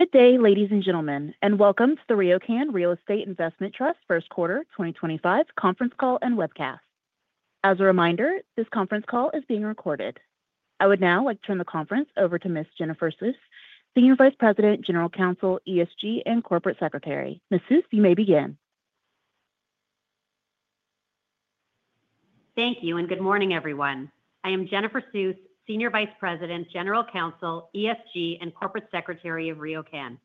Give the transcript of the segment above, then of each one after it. Good day, ladies and gentlemen, and welcome to the RioCan Real Estate Investment Trust First Quarter 2025 conference call and webcast. As a reminder, this conference call is being recorded. I would now like to turn the conference over to Ms. Jennifer Suess, Senior Vice President, General Counsel, ESG, and Corporate Secretary. Ms. Suess, you may begin. Thank you, and good morning, everyone. I am Jennifer Suess, Senior Vice President, General Counsel, ESG, and Corporate Secretary of RioCan.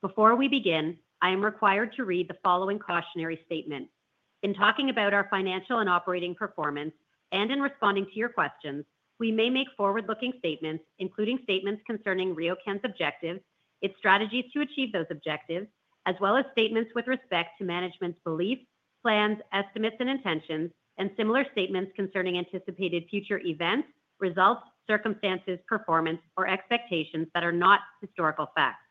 Before we begin, I am required to read the following cautionary statement. In talking about our financial and operating performance and in responding to your questions, we may make forward-looking statements, including statements concerning RioCan's objectives, its strategies to achieve those objectives, as well as statements with respect to management's beliefs, plans, estimates, and intentions, and similar statements concerning anticipated future events, results, circumstances, performance, or expectations that are not historical facts.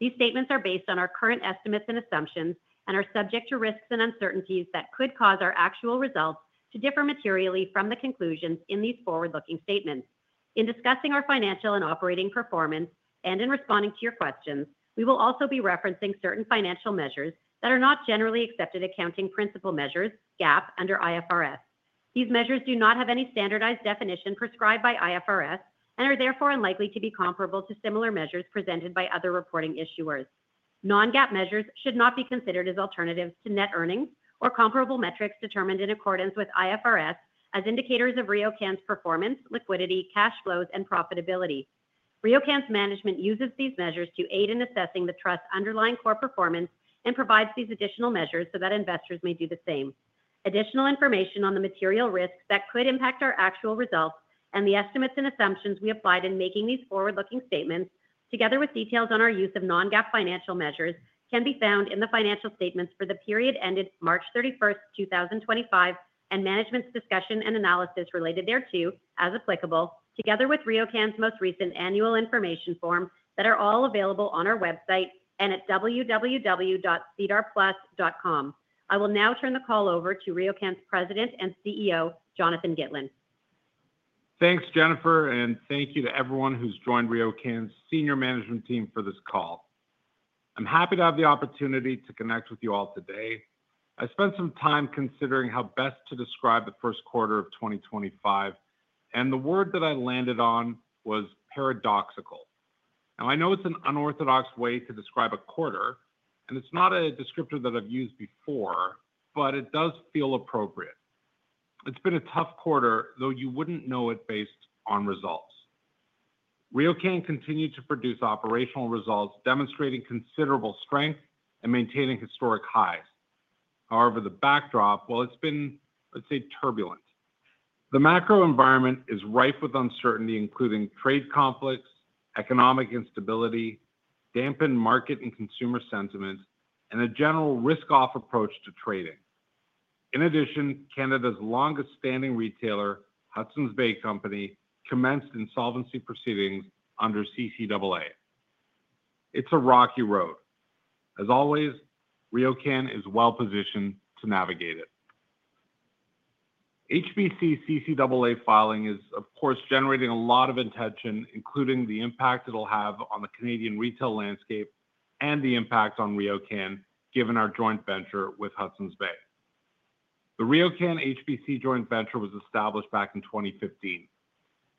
These statements are based on our current estimates and assumptions and are subject to risks and uncertainties that could cause our actual results to differ materially from the conclusions in these forward-looking statements. In discussing our financial and operating performance and in responding to your questions, we will also be referencing certain financial measures that are not generally accepted accounting principle measures, GAAP, under IFRS. These measures do not have any standardized definition prescribed by IFRS and are therefore unlikely to be comparable to similar measures presented by other reporting issuers. Non-GAAP measures should not be considered as alternatives to net earnings or comparable metrics determined in accordance with IFRS as indicators of RioCan's performance, liquidity, cash flows, and profitability. RioCan's management uses these measures to aid in assessing the trust's underlying core performance and provides these additional measures so that investors may do the same. Additional information on the material risks that could impact our actual results and the estimates and assumptions we applied in making these forward-looking statements, together with details on our use of non-GAAP financial measures, can be found in the financial statements for the period ended March 31, 2025, and management's discussion and analysis related thereto, as applicable, together with RioCan's most recent annual information forms that are all available on our website and at www.cdrplus.com. I will now turn the call over to RioCan's President and CEO, Jonathan Gitlin. Thanks, Jennifer, and thank you to everyone who's joined RioCan's senior management team for this call. I'm happy to have the opportunity to connect with you all today. I spent some time considering how best to describe the first quarter of 2025, and the word that I landed on was paradoxical. Now, I know it's an unorthodox way to describe a quarter, and it's not a descriptor that I've used before, but it does feel appropriate. It's been a tough quarter, though you wouldn't know it based on results. RioCan continued to produce operational results, demonstrating considerable strength and maintaining historic highs. However, the backdrop, well, it's been, let's say, turbulent. The macro environment is rife with uncertainty, including trade conflicts, economic instability, dampened market and consumer sentiment, and a general risk-off approach to trading. In addition, Canada's longest-standing retailer, Hudson's Bay Company, commenced insolvency proceedings under CCAA. It's a rocky road. As always, RioCan is well-positioned to navigate it. HBC CCAA filing is, of course, generating a lot of attention, including the impact it'll have on the Canadian retail landscape and the impact on RioCan, given our joint venture with Hudson's Bay. The RioCan HBC joint venture was established back in 2015.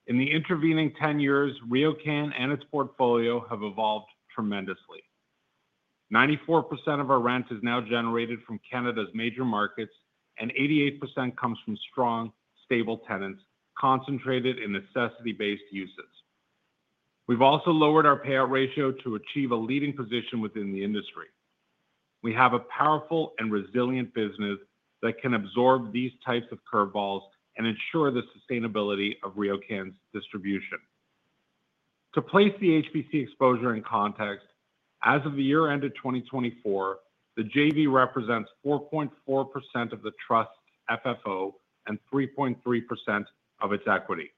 In the intervening 10 years, RioCan and its portfolio have evolved tremendously. 94% of our rent is now generated from Canada's major markets, and 88% comes from strong, stable tenants concentrated in necessity-based uses. We've also lowered our payout ratio to achieve a leading position within the industry. We have a powerful and resilient business that can absorb these types of curveballs and ensure the sustainability of RioCan's distribution. To place the HBC exposure in context, as of the year-end of 2024, the JV represents 4.4% of the trust's FFO and 3.3% of its equity.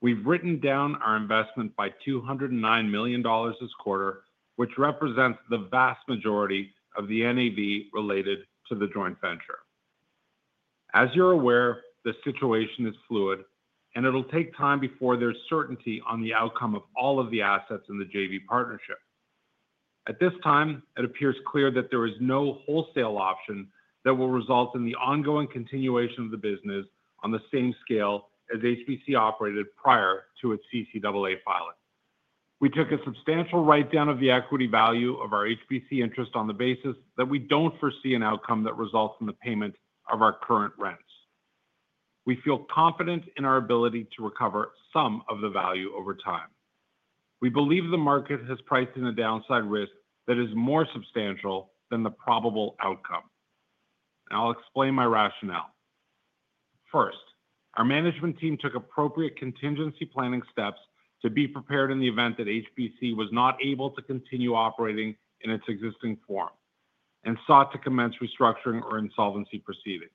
We've written down our investment by $ 209 million this quarter, which represents the vast majority of the NAV related to the joint venture. As you're aware, the situation is fluid, and it'll take time before there's certainty on the outcome of all of the assets in the JV partnership. At this time, it appears clear that there is no wholesale option that will result in the ongoing continuation of the business on the same scale as HBC operated prior to its CCAA filing. We took a substantial write-down of the equity value of our HBC interest on the basis that we don't foresee an outcome that results in the payment of our current rents. We feel confident in our ability to recover some of the value over time. We believe the market has priced in a downside risk that is more substantial than the probable outcome. Now, I'll explain my rationale. First, our management team took appropriate contingency planning steps to be prepared in the event that HBC was not able to continue operating in its existing form and sought to commence restructuring or insolvency proceedings.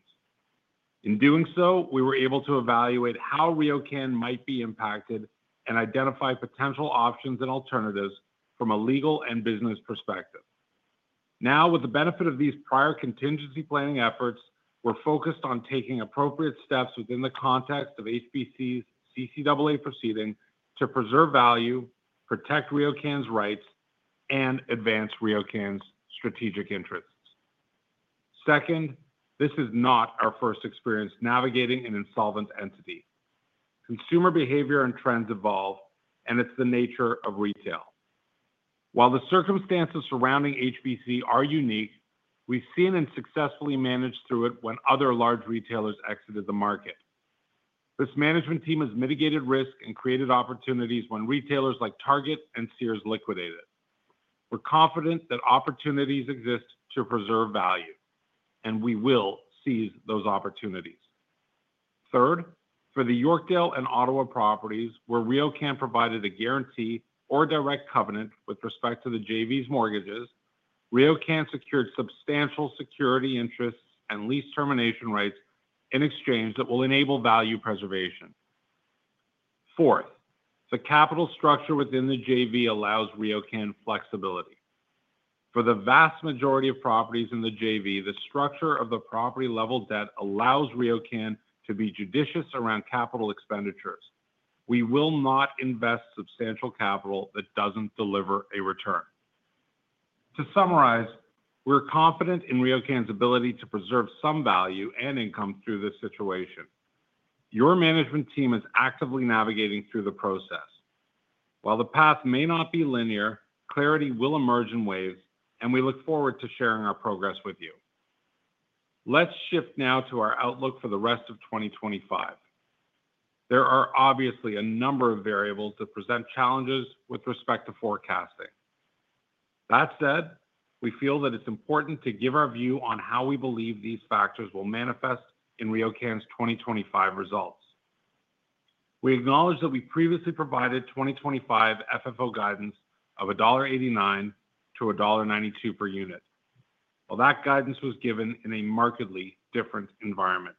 In doing so, we were able to evaluate how RioCan might be impacted and identify potential options and alternatives from a legal and business perspective. Now, with the benefit of these prior contingency planning efforts, we're focused on taking appropriate steps within the context of HBC's CCAA proceeding to preserve value, protect RioCan's rights, and advance RioCan's strategic interests. Second, this is not our first experience navigating an insolvent entity. Consumer behavior and trends evolve, and it's the nature of retail. While the circumstances surrounding HBC are unique, we've seen and successfully managed through it when other large retailers exited the market. This management team has mitigated risk and created opportunities when retailers like Target and Sears liquidated. We're confident that opportunities exist to preserve value, and we will seize those opportunities. Third, for the Yorkdale and Ottawa properties, where RioCan provided a guarantee or direct covenant with respect to the JV's mortgages, RioCan secured substantial security interests and lease termination rights in exchange that will enable value preservation. Fourth, the capital structure within the JV allows RioCan flexibility. For the vast majority of properties in the JV, the structure of the property-level debt allows RioCan to be judicious around capital expenditures. We will not invest substantial capital that doesn't deliver a return. To summarize, we're confident in RioCan's ability to preserve some value and income through this situation. Your management team is actively navigating through the process. While the path may not be linear, clarity will emerge in waves, and we look forward to sharing our progress with you. Let's shift now to our outlook for the rest of 2025. There are obviously a number of variables that present challenges with respect to forecasting. That said, we feel that it's important to give our view on how we believe these factors will manifest in RioCan's 2025 results. We acknowledge that we previously provided 2025 FFO guidance of $ 1.89-$ 1.92 per unit. That guidance was given in a markedly different environment.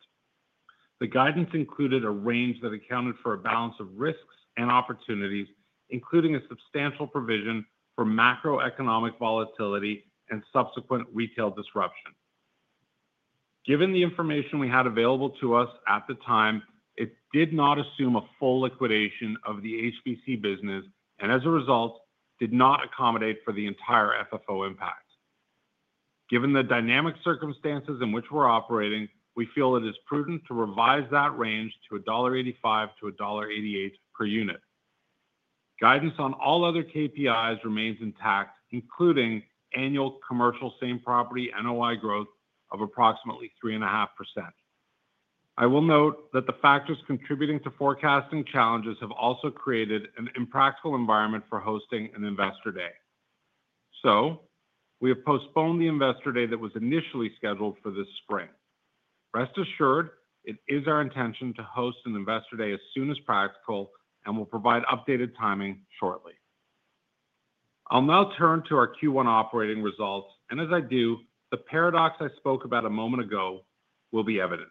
The guidance included a range that accounted for a balance of risks and opportunities, including a substantial provision for macroeconomic volatility and subsequent retail disruption. Given the information we had available to us at the time, it did not assume a full liquidation of the HBC business and, as a result, did not accommodate for the entire FFO impact. Given the dynamic circumstances in which we're operating, we feel it is prudent to revise that range to $ 1.85-$ 1.88 per unit. Guidance on all other KPIs remains intact, including annual commercial same-property NOI growth of approximately 3.5%. I will note that the factors contributing to forecasting challenges have also created an impractical environment for hosting an investor day. We have postponed the investor day that was initially scheduled for this spring. Rest assured, it is our intention to host an investor day as soon as practical and will provide updated timing shortly. I'll now turn to our Q1 operating results, and as I do, the paradox I spoke about a moment ago will be evident.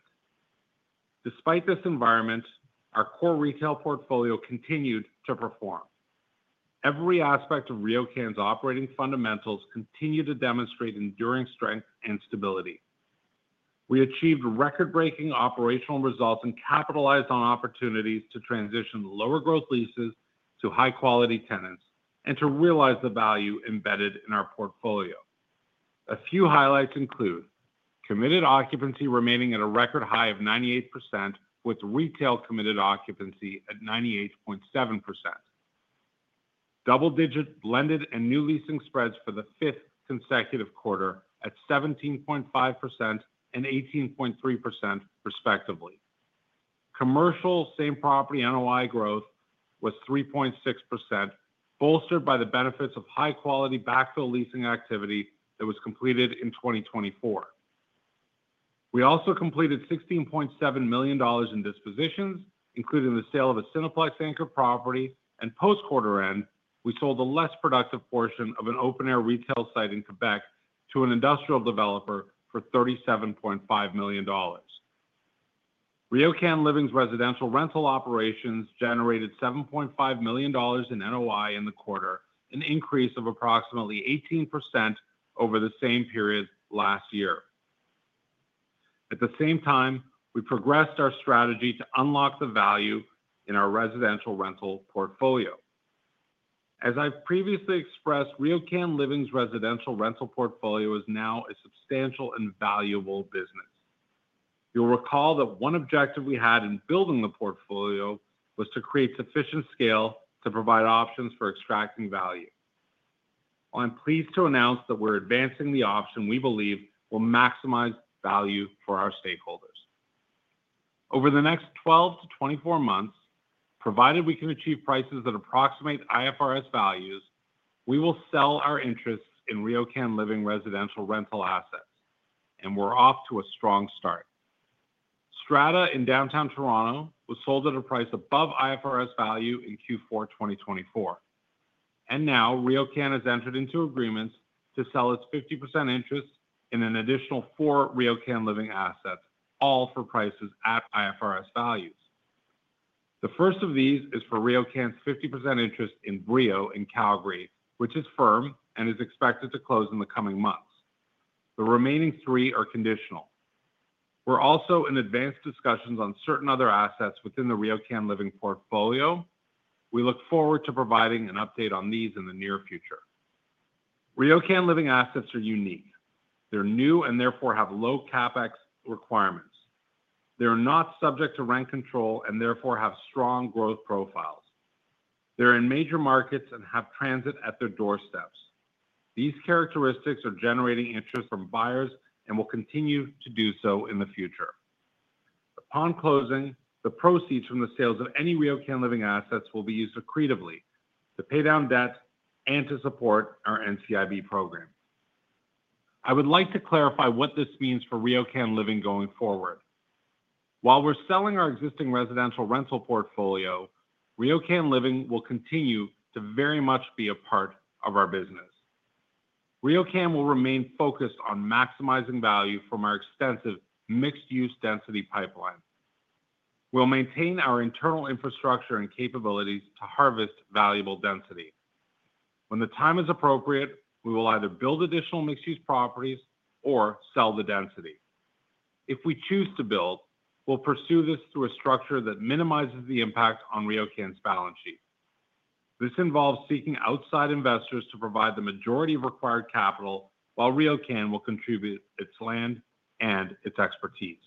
Despite this environment, our core retail portfolio continued to perform. Every aspect of RioCan's operating fundamentals continued to demonstrate enduring strength and stability. We achieved record-breaking operational results and capitalized on opportunities to transition lower-growth leases to high-quality tenants and to realize the value embedded in our portfolio. A few highlights include committed occupancy remaining at a record high of 98%, with retail committed occupancy at 98.7%. Double-digit blended and new leasing spreads for the fifth consecutive quarter at 17.5% and 18.3%, respectively. Commercial same-property NOI growth was 3.6%, bolstered by the benefits of high-quality backfill leasing activity that was completed in 2024. We also completed $ 16.7 million in dispositions, including the sale of a Cineplex Anchor property. Post-quarter end, we sold the less productive portion of an open-air retail site in Quebec to an industrial developer for $ 37.5 million. RioCan Living's residential rental operations generated $ 7.5 million in NOI in the quarter, an increase of approximately 18% over the same period last year. At the same time, we progressed our strategy to unlock the value in our residential rental portfolio. As I've previously expressed, RioCan Living's residential rental portfolio is now a substantial and valuable business. You'll recall that one objective we had in building the portfolio was to create sufficient scale to provide options for extracting value. I'm pleased to announce that we're advancing the option we believe will maximize value for our stakeholders. Over the next 12 to 24 months, provided we can achieve prices that approximate IFRS values, we will sell our interests in RioCan Living residential rental assets, and we're off to a strong start. Strata in downtown Toronto was sold at a price above IFRS value in Q4 2024. RioCan has entered into agreements to sell its 50% interest in an additional four RioCan Living assets, all for prices at IFRS values. The first of these is for RioCan's 50% interest in Brio in Calgary, which is firm and is expected to close in the coming months. The remaining three are conditional. We're also in advanced discussions on certain other assets within the RioCan Living portfolio. We look forward to providing an update on these in the near future. RioCan Living assets are unique. They're new and therefore have low CapEx requirements. They are not subject to rent control and therefore have strong growth profiles. They're in major markets and have transit at their doorsteps. These characteristics are generating interest from buyers and will continue to do so in the future. Upon closing, the proceeds from the sales of any RioCan Living assets will be used accretively to pay down debt and to support our NCIB program. I would like to clarify what this means for RioCan Living going forward. While we're selling our existing residential rental portfolio, RioCan Living will continue to very much be a part of our business. RioCan will remain focused on maximizing value from our extensive mixed-use density pipeline. We'll maintain our internal infrastructure and capabilities to harvest valuable density. When the time is appropriate, we will either build additional mixed-use properties or sell the density. If we choose to build, we'll pursue this through a structure that minimizes the impact on RioCan's balance sheet. This involves seeking outside investors to provide the majority of required capital while RioCan will contribute its land and its expertise.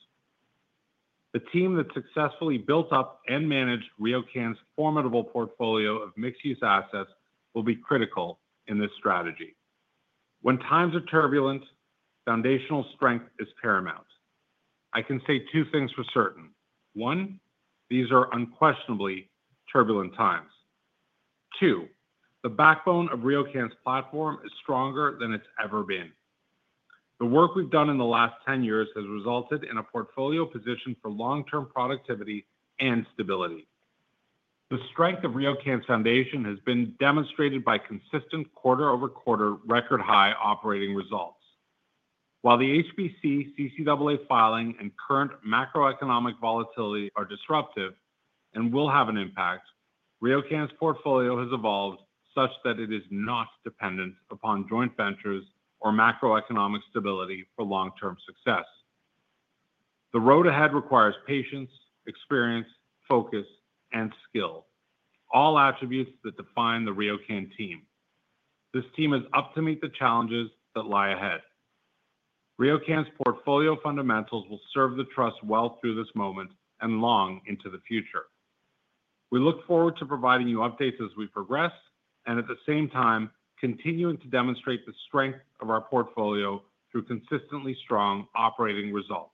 The team that successfully built up and managed RioCan's formidable portfolio of mixed-use assets will be critical in this strategy. When times are turbulent, foundational strength is paramount. I can say two things for certain. One, these are unquestionably turbulent times. Two, the backbone of RioCan's platform is stronger than it's ever been. The work we've done in the last 10 years has resulted in a portfolio position for long-term productivity and stability. The strength of RioCan's foundation has been demonstrated by consistent quarter-over-quarter record-high operating results. While the HBC CCAA filing and current macroeconomic volatility are disruptive and will have an impact, RioCan's portfolio has evolved such that it is not dependent upon joint ventures or macroeconomic stability for long-term success. The road ahead requires patience, experience, focus, and skill, all attributes that define the RioCan team. This team is up to meet the challenges that lie ahead. RioCan's portfolio fundamentals will serve the trust well through this moment and long into the future. We look forward to providing you updates as we progress and, at the same time, continuing to demonstrate the strength of our portfolio through consistently strong operating results.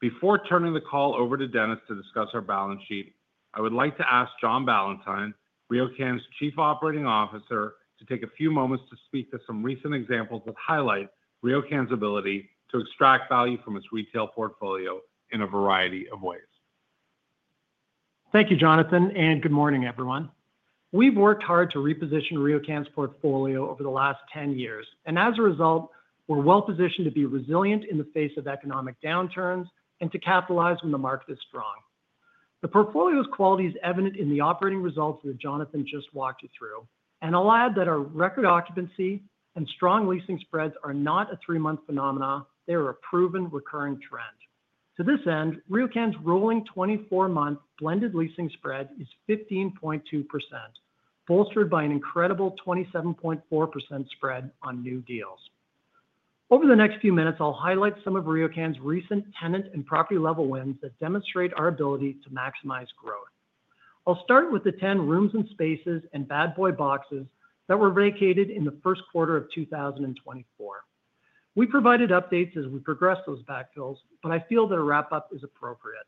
Before turning the call over to Dennis to discuss our balance sheet, I would like to ask John Ballantyne, RioCan's Chief Operating Officer, to take a few moments to speak to some recent examples that highlight RioCan's ability to extract value from its retail portfolio in a variety of ways. Thank you, Jonathan, and good morning, everyone. We've worked hard to reposition RioCan's portfolio over the last 10 years, and as a result, we're well positioned to be resilient in the face of economic downturns and to capitalize when the market is strong. The portfolio's quality is evident in the operating results that Jonathan just walked you through and allowed that our record occupancy and strong leasing spreads are not a three-month phenomenon. They are a proven recurring trend. To this end, RioCan's rolling 24-month blended leasing spread is 15.2%, bolstered by an incredible 27.4% spread on new deals. Over the next few minutes, I'll highlight some of RioCan's recent tenant and property-level wins that demonstrate our ability to maximize growth. I'll start with the 10 rooms and spaces and Bad Boy boxes that were vacated in the first quarter of 2024. We provided updates as we progressed those backfills, but I feel that a wrap-up is appropriate.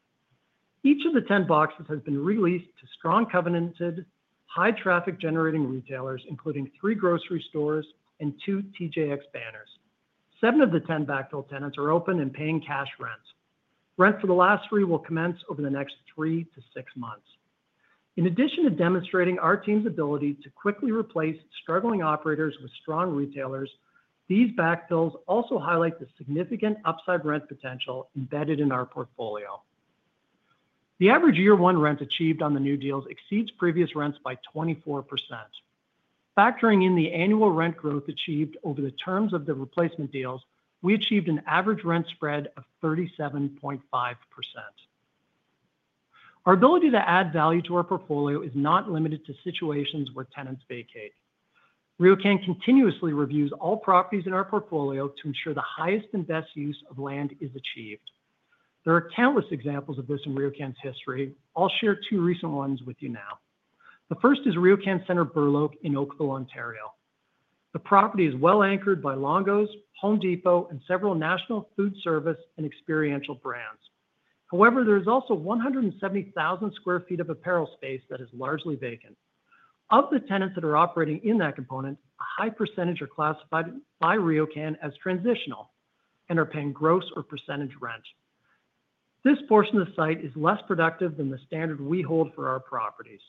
Each of the 10 boxes has been released to strong-covenanted, high-traffic-generating retailers, including three grocery stores and two TJX banners. Seven of the 10 backfill tenants are open and paying cash rents. Rents for the last three will commence over the next three to six months. In addition to demonstrating our team's ability to quickly replace struggling operators with strong retailers, these backfills also highlight the significant upside rent potential embedded in our portfolio. The average year-one rent achieved on the new deals exceeds previous rents by 24%. Factoring in the annual rent growth achieved over the terms of the replacement deals, we achieved an average rent spread of 37.5%. Our ability to add value to our portfolio is not limited to situations where tenants vacate. RioCan continuously reviews all properties in our portfolio to ensure the highest and best use of land is achieved. There are countless examples of this in RioCan's history. I'll share two recent ones with you now. The first is RioCan Center Burloke in Oakville, Ontario. The property is well anchored by Longos, Home Depot, and several national food service and experiential brands. However, there is also 170,000 sq ft of apparel space that is largely vacant. Of the tenants that are operating in that component, a high percentage are classified by RioCan as transitional and are paying gross or percentage rent. This portion of the site is less productive than the standard we hold for our properties.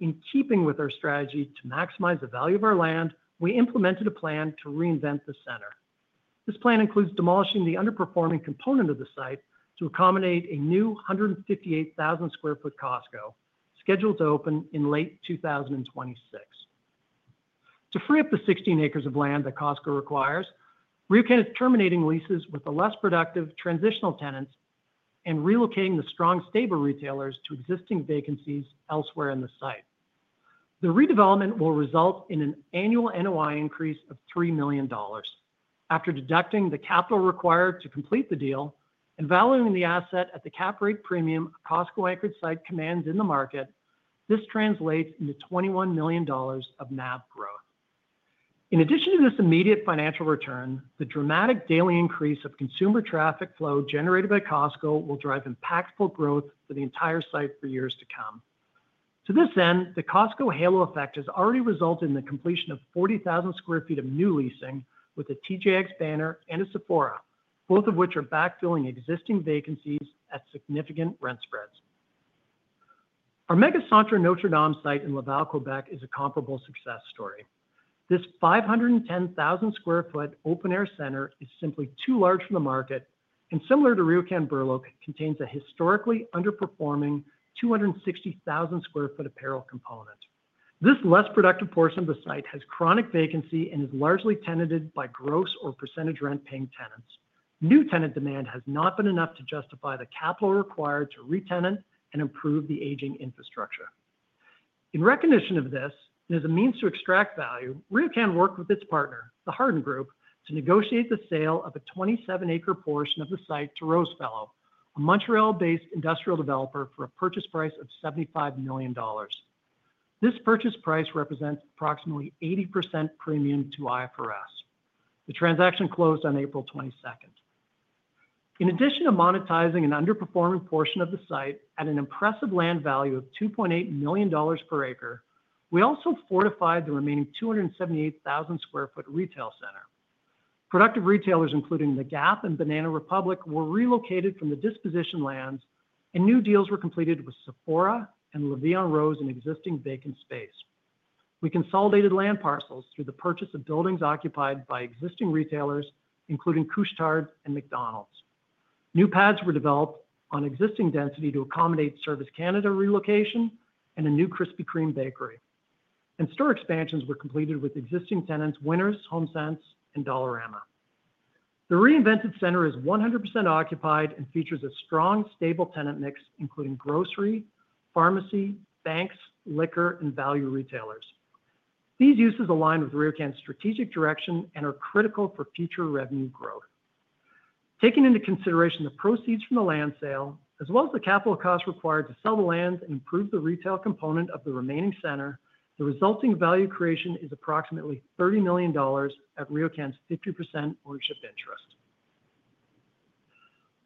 In keeping with our strategy to maximize the value of our land, we implemented a plan to reinvent the center. This plan includes demolishing the underperforming component of the site to accommodate a new 158,000 sq ft Costco, scheduled to open in late 2026. To free up the 16 acres of land that Costco requires, RioCan is terminating leases with the less productive transitional tenants and relocating the strong stable retailers to existing vacancies elsewhere in the site. The redevelopment will result in an annual NOI increase of $ 3 million. After deducting the capital required to complete the deal and valuing the asset at the cap rate premium a Costco-anchored site commands in the market, this translates into $ 21 million of NAB growth. In addition to this immediate financial return, the dramatic daily increase of consumer traffic flow generated by Costco will drive impactful growth for the entire site for years to come. To this end, the Costco halo effect has already resulted in the completion of 40,000 sq ft of new leasing with a TJX banner and a Sephora, both of which are backfilling existing vacancies at significant rent spreads. Our MegaCentre Notre Dame site in Laval, Quebec is a comparable success story. This 510,000 sq ft open-air center is simply too large for the market and, similar to RioCan Burloke, contains a historically underperforming 260,000 sq ft apparel component. This less productive portion of the site has chronic vacancy and is largely tenanted by gross or percentage rent-paying tenants. New tenant demand has not been enough to justify the capital required to renten and improve the aging infrastructure. In recognition of this, and as a means to extract value, RioCan worked with its partner, the Hardin Group, to negotiate the sale of a 27-acre portion of the site to Rosefellow Developments, a Montreal-based industrial developer, for a purchase price of $ 75 million. This purchase price represents approximately 80% premium to IFRS. The transaction closed on April 22nd. In addition to monetizing an underperforming portion of the site at an impressive land value of $ 2.8 million per acre, we also fortified the remaining 278,000 sq ft retail center. Productive retailers, including Gap and Banana Republic, were relocated from the disposition lands, and new deals were completed with Sephora and La Vie en Rose in existing vacant space. We consolidated land parcels through the purchase of buildings occupied by existing retailers, including Couche-Tard and McDonald's. New pads were developed on existing density to accommodate Service Canada relocation and a new Krispy Kreme bakery. Store expansions were completed with existing tenants Winners, Homesense, and Dollarama. The reinvented center is 100% occupied and features a strong, stable tenant mix, including grocery, pharmacy, banks, liquor, and value retailers. These uses align with RioCan's strategic direction and are critical for future revenue growth. Taking into consideration the proceeds from the land sale, as well as the capital costs required to sell the land and improve the retail component of the remaining center, the resulting value creation is approximately $ 30 million at RioCan's 50% ownership interest.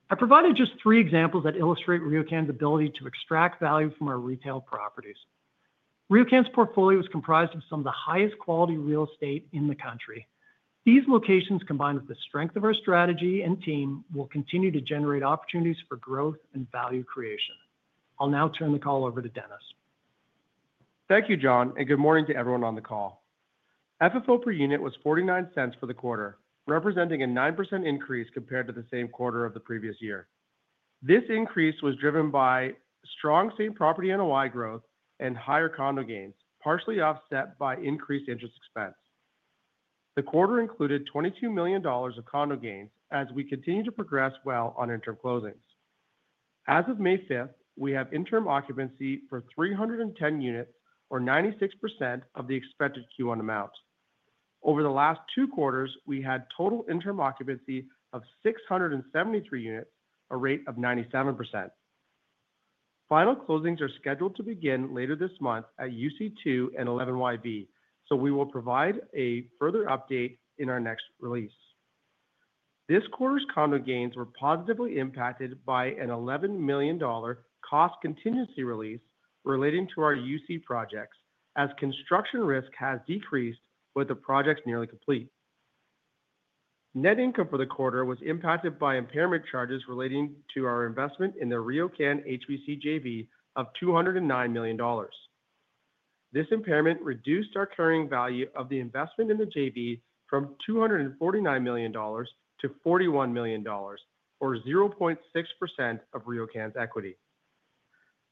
I provided just three examples that illustrate RioCan's ability to extract value from our retail properties. RioCan's portfolio is comprised of some of the highest quality real estate in the country. These locations, combined with the strength of our strategy and team, will continue to generate opportunities for growth and value creation. I'll now turn the call over to Dennis. Thank you, John, and good morning to everyone on the call. FFO per unit was $ 0.49 for the quarter, representing a 9% increase compared to the same quarter of the previous year. This increase was driven by strong same property NOI growth and higher condo gains, partially offset by increased interest expense. The quarter included $ 22 million of condo gains as we continue to progress well on interim closings. As of May 5th, we have interim occupancy for 310 units, or 96% of the expected Q1 amount. Over the last two quarters, we had total interim occupancy of 673 units, a rate of 97%. Final closings are scheduled to begin later this month at UC2 and 11YB, so we will provide a further update in our next release. This quarter's condo gains were positively impacted by a $ 11 million cost contingency release relating to our UC projects as construction risk has decreased with the projects nearly complete. Net income for the quarter was impacted by impairment charges relating to our investment in the RioCan HBC JV of $ 209 million. This impairment reduced our carrying value of the investment in the JV from $ 249 million to $ 41 million, or 0.6% of RioCan's equity.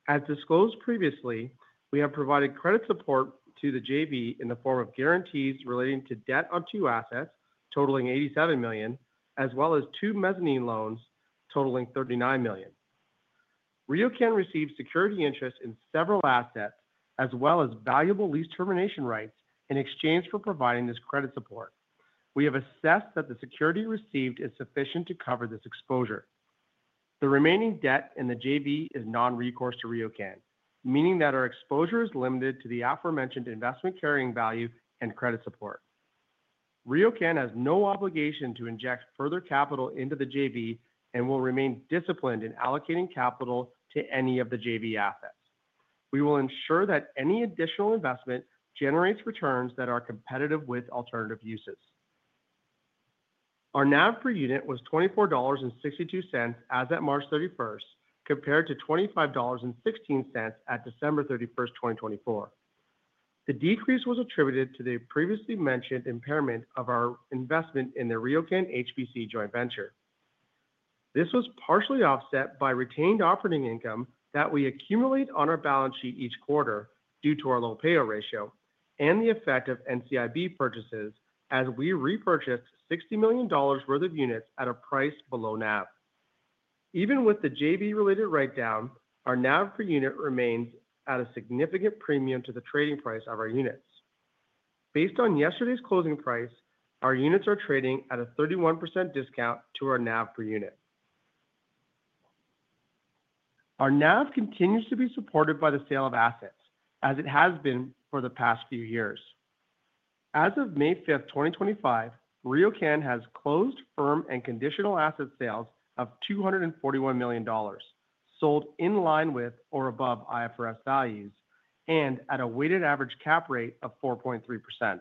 As disclosed previously, we have provided credit support to the JV in the form of guarantees relating to debt on two assets totaling $ 87 million, as well as two mezzanine loans totaling $ 39 million. RioCan received security interest in several assets, as well as valuable lease termination rights in exchange for providing this credit support. We have assessed that the security received is sufficient to cover this exposure. The remaining debt in the JV is non-recourse to RioCan, meaning that our exposure is limited to the aforementioned investment carrying value and credit support. RioCan has no obligation to inject further capital into the JV and will remain disciplined in allocating capital to any of the JV assets. We will ensure that any additional investment generates returns that are competitive with alternative uses. Our NAB per unit was $ 24.62 as of March 31, compared to $ 25.16 at December 31, 2024. The decrease was attributed to the previously mentioned impairment of our investment in the RioCan HBC joint venture. This was partially offset by retained operating income that we accumulate on our balance sheet each quarter due to our low payout ratio and the effect of NCIB purchases as we repurchased $ 60 million worth of units at a price below NAB. Even with the JV-related write-down, our NAB per unit remains at a significant premium to the trading price of our units. Based on yesterday's closing price, our units are trading at a 31% discount to our NAB per unit. Our NAB continues to be supported by the sale of assets, as it has been for the past few years. As of May 5th, 2025, RioCan has closed firm and conditional asset sales of $ 241 million, sold in line with or above IFRS values, and at a weighted average cap rate of 4.3%.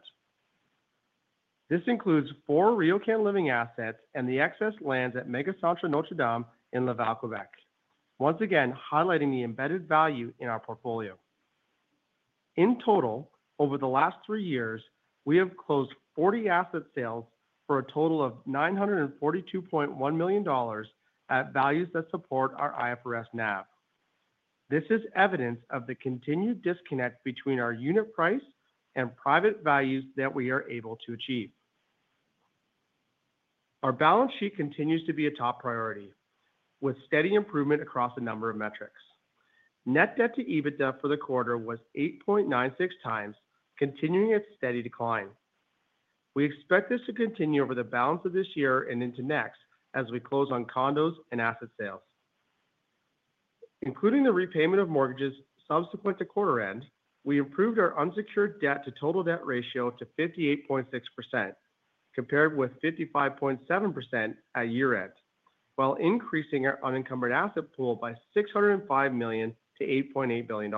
This includes four RioCan living assets and the excess lands at MegaCentre Notre Dame in Laval, Quebec, once again highlighting the embedded value in our portfolio. In total, over the last three years, we have closed 40 asset sales for a total of $ 942.1 million at values that support our IFRS NAB. This is evidence of the continued disconnect between our unit price and private values that we are able to achieve. Our balance sheet continues to be a top priority, with steady improvement across a number of metrics. Net debt to EBITDA for the quarter was 8.96 times, continuing its steady decline. We expect this to continue over the balance of this year and into next as we close on condos and asset sales. Including the repayment of mortgages subsequent to quarter end, we improved our unsecured debt to total debt ratio to 58.6%, compared with 55.7% at year end, while increasing our unencumbered asset pool by $ 605 million to $ 8.8 billion,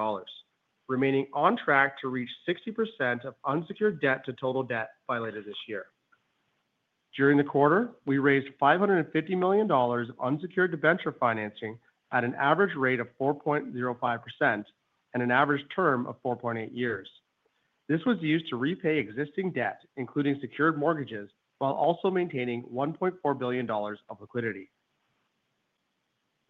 remaining on track to reach 60% of unsecured debt to total debt by later this year. During the quarter, we raised $ 550 million of unsecured debenture financing at an average rate of 4.05% and an average term of 4.8 years. This was used to repay existing debt, including secured mortgages, while also maintaining $ 1.4 billion of liquidity.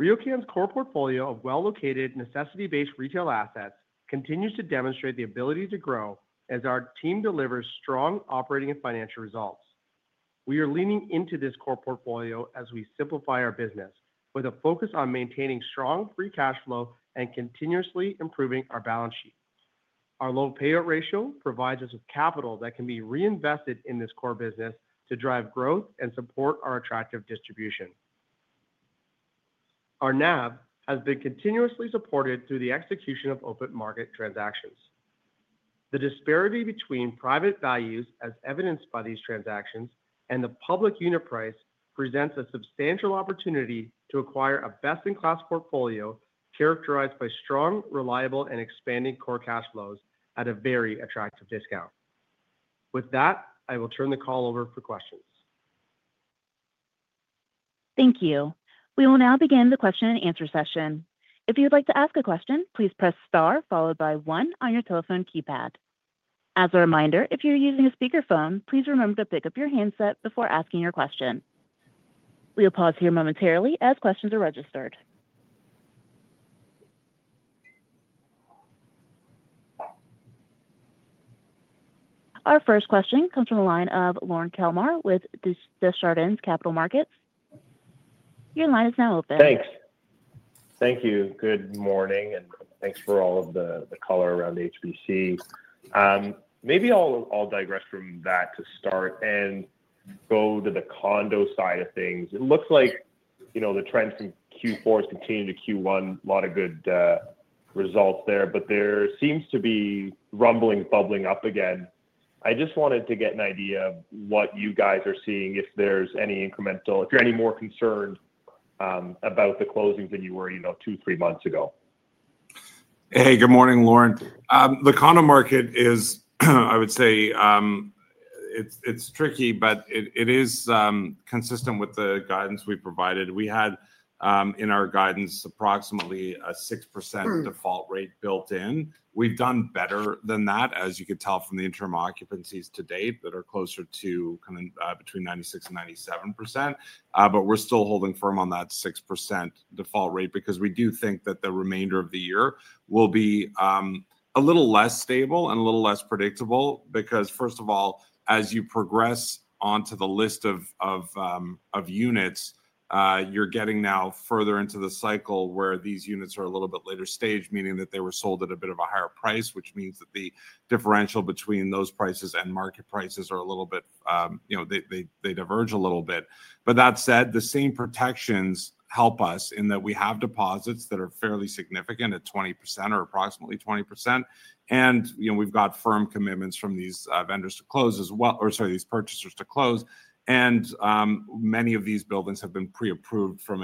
RioCan's core portfolio of well-located necessity-based retail assets continues to demonstrate the ability to grow as our team delivers strong operating and financial results. We are leaning into this core portfolio as we simplify our business with a focus on maintaining strong free cash flow and continuously improving our balance sheet. Our low payout ratio provides us with capital that can be reinvested in this core business to drive growth and support our attractive distribution. Our NAB has been continuously supported through the execution of open market transactions. The disparity between private values, as evidenced by these transactions, and the public unit price presents a substantial opportunity to acquire a best-in-class portfolio characterized by strong, reliable, and expanding core cash flows at a very attractive discount. With that, I will turn the call over for questions. Thank you. We will now begin the question-and-answer session. If you'd like to ask a question, please press star followed by one on your telephone keypad. As a reminder, if you're using a speakerphone, please remember to pick up your handset before asking your question. We'll pause here momentarily as questions are registered. Our first question comes from the line of Lorne Kalmar with Desjardins Capital Markets. Your line is now open. Thanks. Thank you. Good morning, and thanks for all of the color around HBC. Maybe I'll digress from that to start and go to the condo side of things. It looks like the trend from Q4 has continued to Q1, a lot of good results there, but there seems to be rumbling bubbling up again. I just wanted to get an idea of what you guys are seeing, if there's any incremental, if you're any more concerned about the closings than you were two, three months ago. Hey, good morning, Lorne. The condo market is, I would say, it's tricky, but it is consistent with the guidance we provided. We had in our guidance approximately a 6% default rate built in. We've done better than that, as you could tell from the interim occupancies to date that are closer to between 96% and 97%, but we're still holding firm on that 6% default rate because we do think that the remainder of the year will be a little less stable and a little less predictable because, first of all, as you progress onto the list of units, you're getting now further into the cycle where these units are a little bit later stage, meaning that they were sold at a bit of a higher price, which means that the differential between those prices and market prices are a little bit, they diverge a little bit. That said, the same protections help us in that we have deposits that are fairly significant at 20% or approximately 20%. We have firm commitments from these purchasers to close as well, or sorry, these purchasers to close. Many of these buildings have been pre-approved for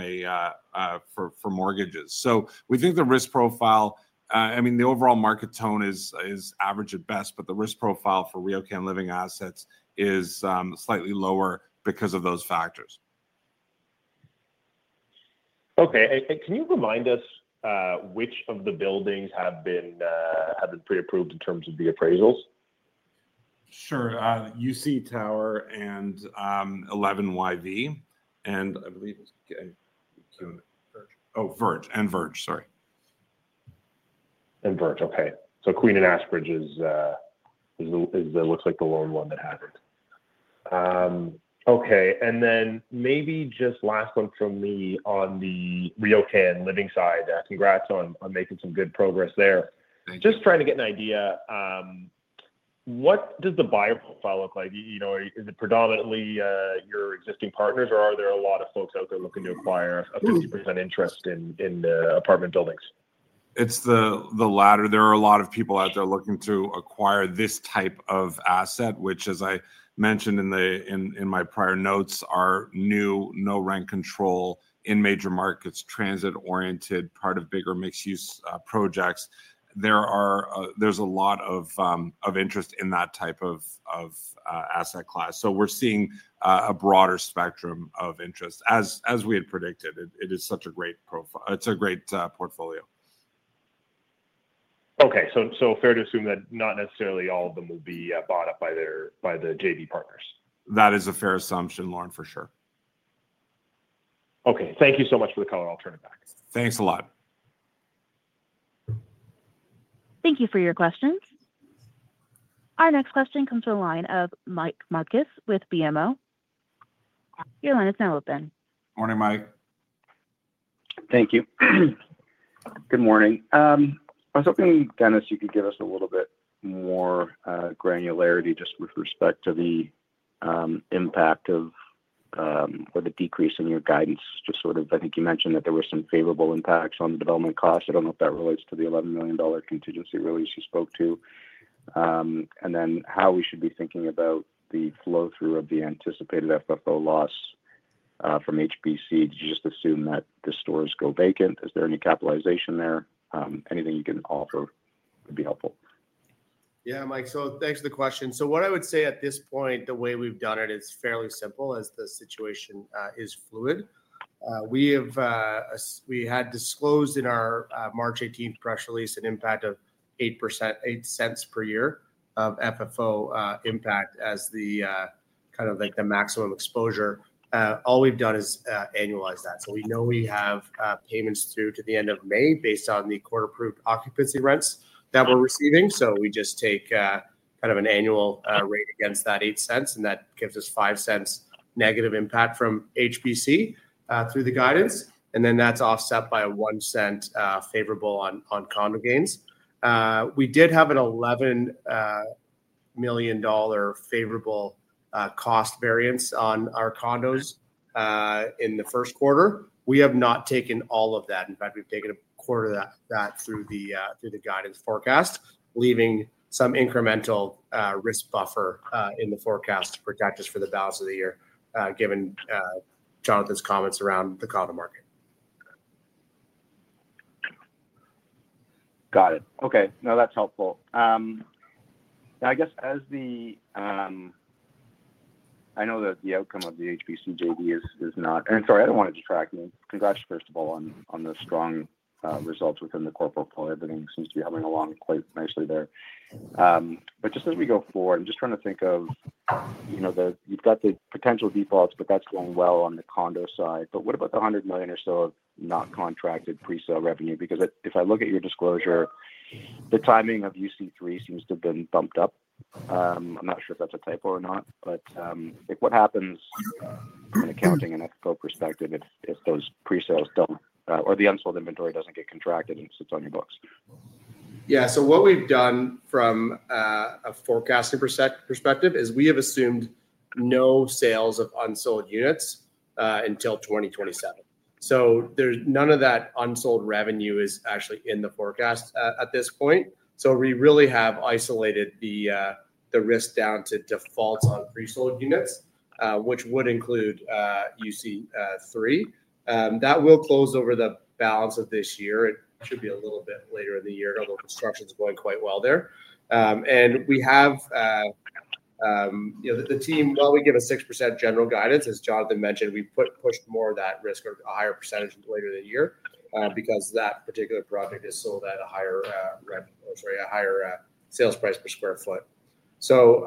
mortgages. We think the risk profile, I mean, the overall market tone is average at best, but the risk profile for RioCan living assets is slightly lower because of those factors. Okay. Can you remind us which of the buildings have been pre-approved in terms of the appraisals? Sure. UC Tower and 11YV. I believe it is, oh, Verge. And Verge, sorry. And Verge, okay. Queen and Ashbridge looks like the lone one that has not. Okay. Maybe just last one from me on the RioCan living side. Congrats on making some good progress there. Just trying to get an idea, what does the buyer profile look like? Is it predominantly your existing partners, or are there a lot of folks out there looking to acquire a 50% interest in apartment buildings? It's the latter. There are a lot of people out there looking to acquire this type of asset, which, as I mentioned in my prior notes, are new, no rent control, in major markets, transit-oriented, part of bigger mixed-use projects. There's a lot of interest in that type of asset class. We are seeing a broader spectrum of interest, as we had predicted. It is such a great profile. It's a great portfolio. Okay. Fair to assume that not necessarily all of them will be bought up by the JV partners. That is a fair assumption, Lauren, for sure. Okay. Thank you so much for the color. I'll turn it back. Thanks a lot. Thank you for your questions. Our next question comes from the line of Mike Markidis with BMO. Your line is now open. Morning, Mike. Thank you. Good morning. I was hoping, Dennis, you could give us a little bit more granularity just with respect to the impact of or the decrease in your guidance. Just sort of, I think you mentioned that there were some favorable impacts on the development costs. I do not know if that relates to the $ 11 million contingency release you spoke to. And then how we should be thinking about the flow-through of the anticipated FFO loss from HBC. Did you just assume that the stores go vacant? Is there any capitalization there? Anything you can offer would be helpful. Yeah, Mike. So thanks for the question. So what I would say at this point, the way we have done it is fairly simple as the situation is fluid. We had disclosed in our March 18th press release an impact of $0.08 per year of FFO impact as the kind of the maximum exposure. All we've done is annualize that. We know we have payments due to the end of May based on the quarter-approved occupancy rents that we're receiving. We just take kind of an annual rate against that $0.08, and that gives us $0.05 negative impact from HBC through the guidance. That is offset by a $0.01 favorable on condo gains. We did have an $11 million favorable cost variance on our condos in the first quarter. We have not taken all of that. In fact, we've taken a quarter of that through the guidance forecast, leaving some incremental risk buffer in the forecast to protect us for the balance of the year given Jonathan's comments around the condo market. Got it. Okay. No, that's helpful. I guess as the I know that the outcome of the HBC JV is not and sorry, I do not want to distract you. Congrats, first of all, on the strong results within the core portfolio. Everything seems to be humming along quite nicely there. Just as we go forward, I'm just trying to think of you've got the potential defaults, but that's going well on the condo side. What about the $ 100 million or so of not contracted pre-sale revenue? If I look at your disclosure, the timing of UC3 seems to have been bumped up. I'm not sure if that's a typo or not. What happens from an accounting and FFO perspective if those pre-sales do not or the unsold inventory does not get contracted and sits on your books? Yeah. What we have done from a forecasting perspective is we have assumed no sales of unsold units until 2027. None of that unsold revenue is actually in the forecast at this point. We really have isolated the risk down to defaults on pre-sold units, which would include UC3. That will close over the balance of this year. It should be a little bit later in the year, although construction is going quite well there. We have the team, while we give a 6% general guidance, as Jonathan mentioned, we pushed more of that risk or a higher percentage later in the year because that particular project is sold at a higher rent or, sorry, a higher sales price per sq ft.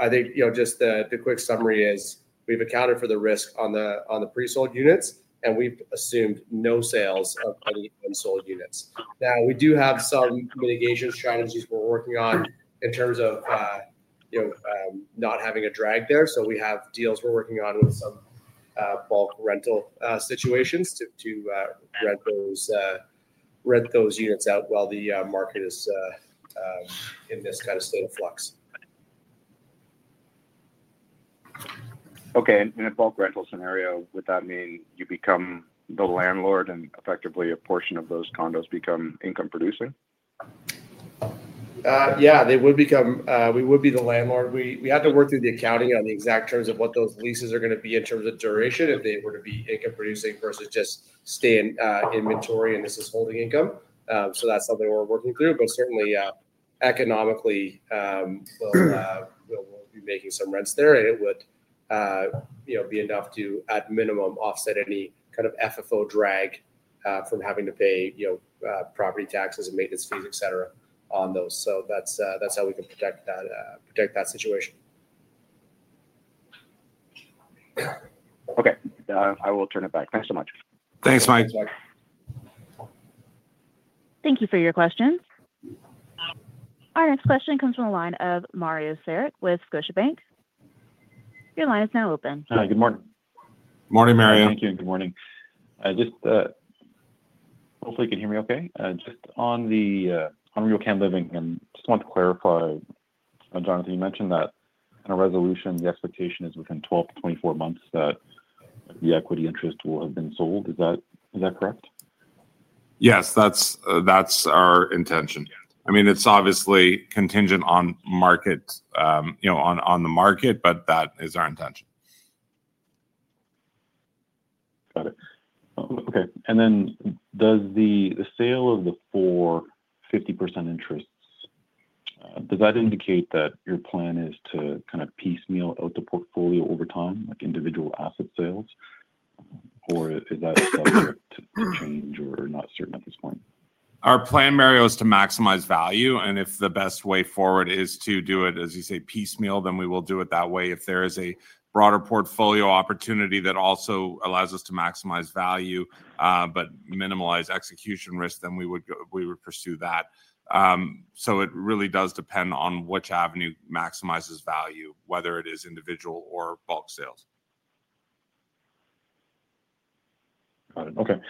I think just the quick summary is we have accounted for the risk on the pre-sold units, and we have assumed no sales of any unsold units. Now, we do have some mitigation strategies we're working on in terms of not having a drag there. We have deals we're working on with some bulk rental situations to rent those units out while the market is in this kind of state of flux. Okay. In a bulk rental scenario, would that mean you become the landlord and effectively a portion of those condos become income-producing? Yeah, they would become, we would be the landlord. We had to work through the accounting on the exact terms of what those leases are going to be in terms of duration if they were to be income-producing versus just stay in inventory, and this is holding income. That is something we're working through. But certainly, economically, we'll be making some rents there, and it would be enough to, at minimum, offset any kind of FFO drag from having to pay property taxes and maintenance fees, etc., on those. That is how we can protect that situation. Okay. I will turn it back. Thanks so much. Thanks, Mike. Thank you for your questions. Our next question comes from the line of Mario Saric with Scotiabank. Your line is now open. Hi. Good morning. Morning, Mario. Thank you. Good morning. Just hopefully you can hear me okay. Just on RioCan Living, I just want to clarify, Jonathan, you mentioned that in a resolution, the expectation is within 12-24 months that the equity interest will have been sold. Is that correct? Yes, that is our intention. I mean, it is obviously contingent on the market, but that is our intention. Got it. Okay. Does the sale of the four 50% interests indicate that your plan is to kind of piecemeal out the portfolio over time, like individual asset sales, or is that subject to change or not certain at this point? Our plan, Mario, is to maximize value. If the best way forward is to do it, as you say, piecemeal, then we will do it that way. If there is a broader portfolio opportunity that also allows us to maximize value but minimize execution risk, then we would pursue that. It really does depend on which avenue maximizes value, whether it is individual or bulk sales. Got it. Okay.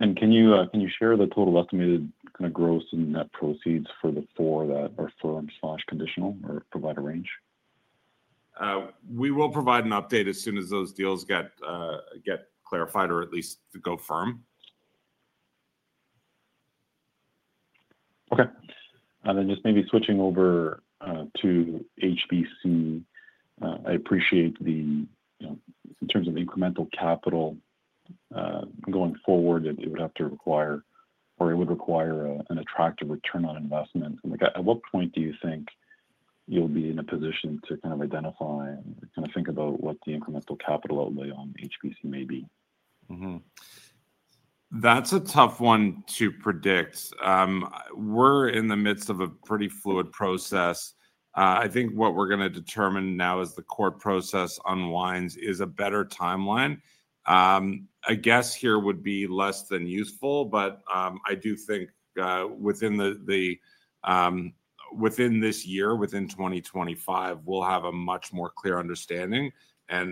Can you share the total estimated kind of gross and net proceeds for the four that are firm/conditional or provide a range? We will provide an update as soon as those deals get clarified or at least go firm. Okay. Just maybe switching over to HBC, I appreciate the in terms of incremental capital going forward, it would have to require or it would require an attractive return on investment. At what point do you think you'll be in a position to kind of identify and kind of think about what the incremental capital outlay on HBC may be? That's a tough one to predict. We're in the midst of a pretty fluid process. I think what we're going to determine now as the court process unwinds is a better timeline. A guess here would be less than useful, but I do think within this year, within 2025, we'll have a much more clear understanding.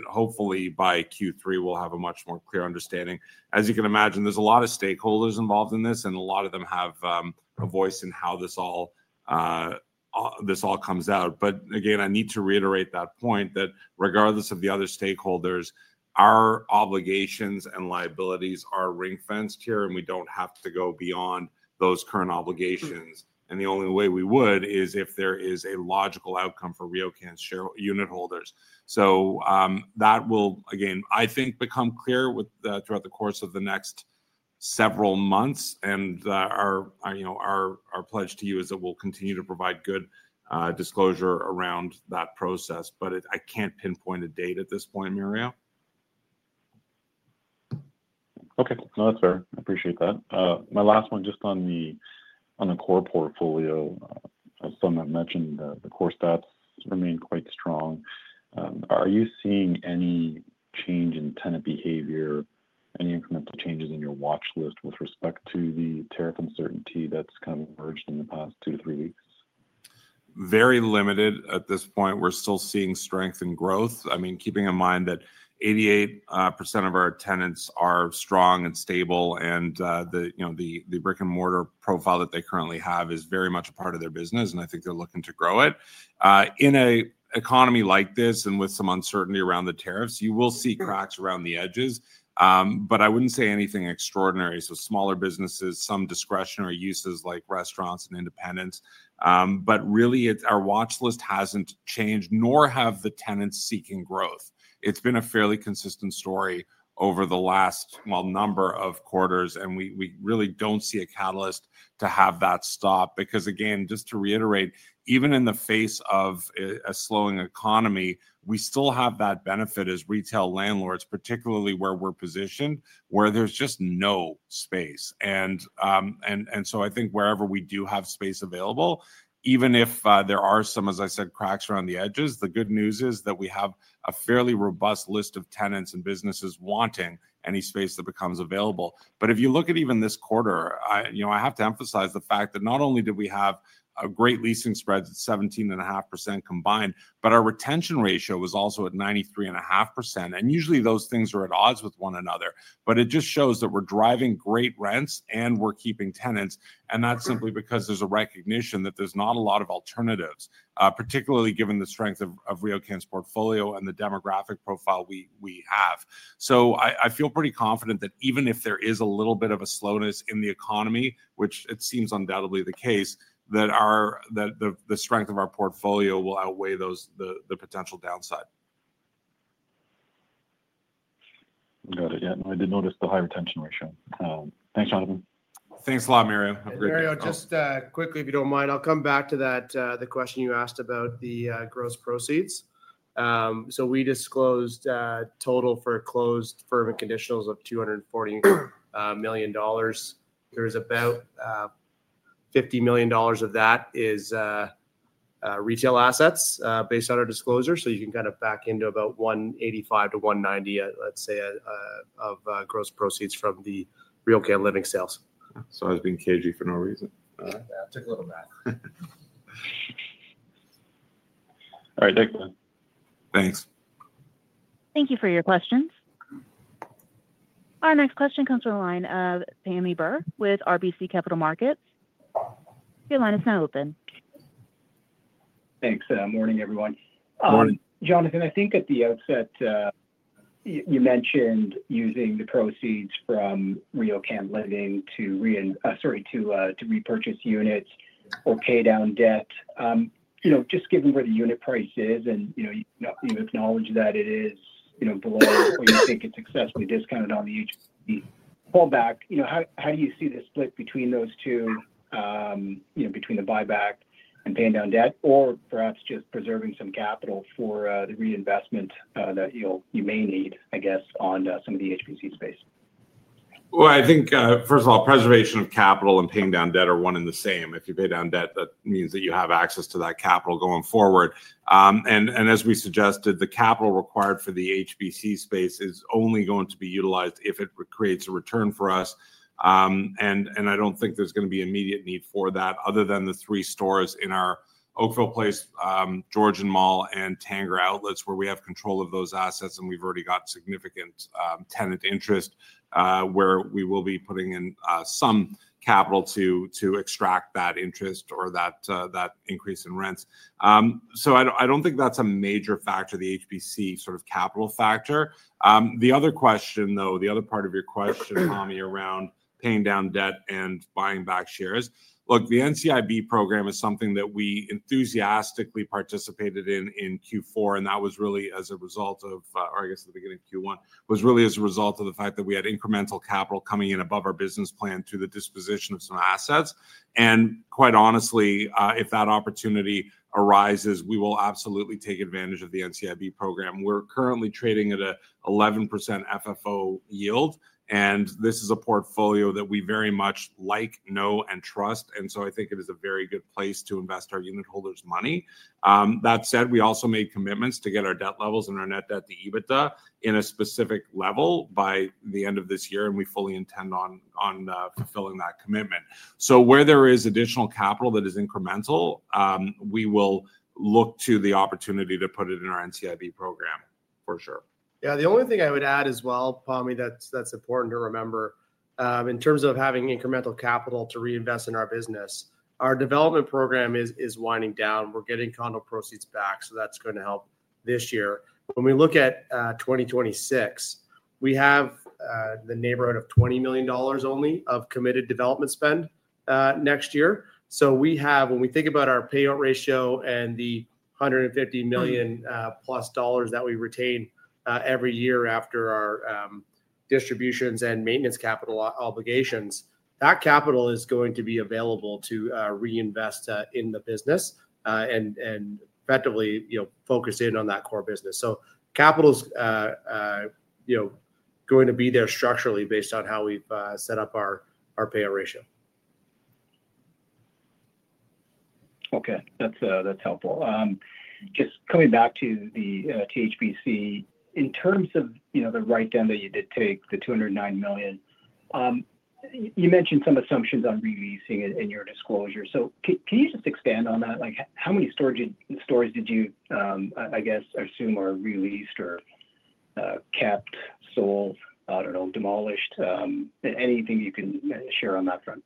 Hopefully, by Q3, we'll have a much more clear understanding. As you can imagine, there's a lot of stakeholders involved in this, and a lot of them have a voice in how this all comes out. I need to reiterate that point that regardless of the other stakeholders, our obligations and liabilities are ring-fenced here, and we don't have to go beyond those current obligations. The only way we would is if there is a logical outcome for RioCan's unitholders. That will, again, I think, become clear throughout the course of the next several months. Our pledge to you is that we'll continue to provide good disclosure around that process. I can't pinpoint a date at this point, Mario. Okay. No, that's fair. I appreciate that. My last one, just on the core portfolio, as Sonnet mentioned, the core stats remain quite strong. Are you seeing any change in tenant behavior, any incremental changes in your watch list with respect to the tariff uncertainty that's kind of emerged in the past two to three weeks? Very limited at this point. We're still seeing strength and growth. I mean, keeping in mind that 88% of our tenants are strong and stable, and the brick-and-mortar profile that they currently have is very much a part of their business, and I think they're looking to grow it. In an economy like this and with some uncertainty around the tariffs, you will see cracks around the edges. I wouldn't say anything extraordinary. Smaller businesses, some discretionary uses like restaurants and independents. Really, our watch list hasn't changed, nor have the tenants seeking growth. It's been a fairly consistent story over the last, well, number of quarters, and we really do not see a catalyst to have that stop. Because again, just to reiterate, even in the face of a slowing economy, we still have that benefit as retail landlords, particularly where we are positioned, where there is just no space. I think wherever we do have space available, even if there are some, as I said, cracks around the edges, the good news is that we have a fairly robust list of tenants and businesses wanting any space that becomes available. If you look at even this quarter, I have to emphasize the fact that not only did we have a great leasing spread at 17.5% combined, but our retention ratio was also at 93.5%. Usually, those things are at odds with one another. It just shows that we're driving great rents and we're keeping tenants. That is simply because there's a recognition that there's not a lot of alternatives, particularly given the strength of RioCan's portfolio and the demographic profile we have. I feel pretty confident that even if there is a little bit of a slowness in the economy, which it seems undoubtedly the case, the strength of our portfolio will outweigh the potential downside. Got it. Yeah. I did notice the high retention ratio. Thanks, Jonathan. Thanks a lot, Mario. Have a great day. Mario, just quickly, if you do not mind, I'll come back to the question you asked about the gross proceeds. We disclosed total for closed firm and conditionals of $ 240 million. There is about $ 50 million of that which is retail assets based on our disclosure. You can kind of back into about $ 185 million-$ 190 million, let's say, of gross proceeds from the RioCan Living sales. Sorry, I was being cagey for no reason. Yeah, took a little nap. All right. Thanks. Thanks. Thank you for your questions. Our next question comes from the line of Tammy Burr with RBC Capital Markets. Your line is now open. Thanks. Morning, everyone. Morning. Jonathan, I think at the outset, you mentioned using the proceeds from RioCan Living to, sorry, to repurchase units or pay down debt. Just given where the unit price is, and you acknowledge that it is below what you think it's successfully discounted on the HBC fallback, how do you see the split between those two, between the buyback and paying down debt, or perhaps just preserving some capital for the reinvestment that you may need, I guess, on some of the HBC space? I think, first of all, preservation of capital and paying down debt are one and the same. If you pay down debt, that means that you have access to that capital going forward. As we suggested, the capital required for the HBC space is only going to be utilized if it creates a return for us. I do not think there is going to be immediate need for that other than the three stores in our Oakville Place, Georgian Mall, and Tanger Outlets, where we have control of those assets, and we have already got significant tenant interest where we will be putting in some capital to extract that interest or that increase in rents. I do not think that is a major factor, the HBC sort of capital factor. The other question, though, the other part of your question, Tommy, around paying down debt and buying back shares. Look, the NCIB program is something that we enthusiastically participated in in Q4, and that was really as a result of, or I guess at the beginning of Q1, was really as a result of the fact that we had incremental capital coming in above our business plan through the disposition of some assets. Quite honestly, if that opportunity arises, we will absolutely take advantage of the NCIB program. We're currently trading at an 11% FFO yield, and this is a portfolio that we very much like, know, and trust. I think it is a very good place to invest our unit holders' money. That said, we also made commitments to get our debt levels and our net debt to EBITDA in a specific level by the end of this year, and we fully intend on fulfilling that commitment. Where there is additional capital that is incremental, we will look to the opportunity to put it in our NCIB program, for sure. Yeah. The only thing I would add as well, Tommy, that's important to remember in terms of having incremental capital to reinvest in our business, our development program is winding down. We're getting condo proceeds back, so that's going to help this year. When we look at 2026, we have in the neighborhood of $ 20 million only of committed development spend next year. When we think about our payout ratio and the $ 150 million-plus that we retain every year after our distributions and maintenance capital obligations, that capital is going to be available to reinvest in the business and effectively focus in on that core business. Capital is going to be there structurally based on how we've set up our payout ratio. Okay. That's helpful. Just coming back to the HBC, in terms of the write-down that you did take, the $ 209 million, you mentioned some assumptions on releasing in your disclosure. Can you just expand on that? How many stores did you, I guess, assume were released or kept, sold, I do not know, demolished? Anything you can share on that front?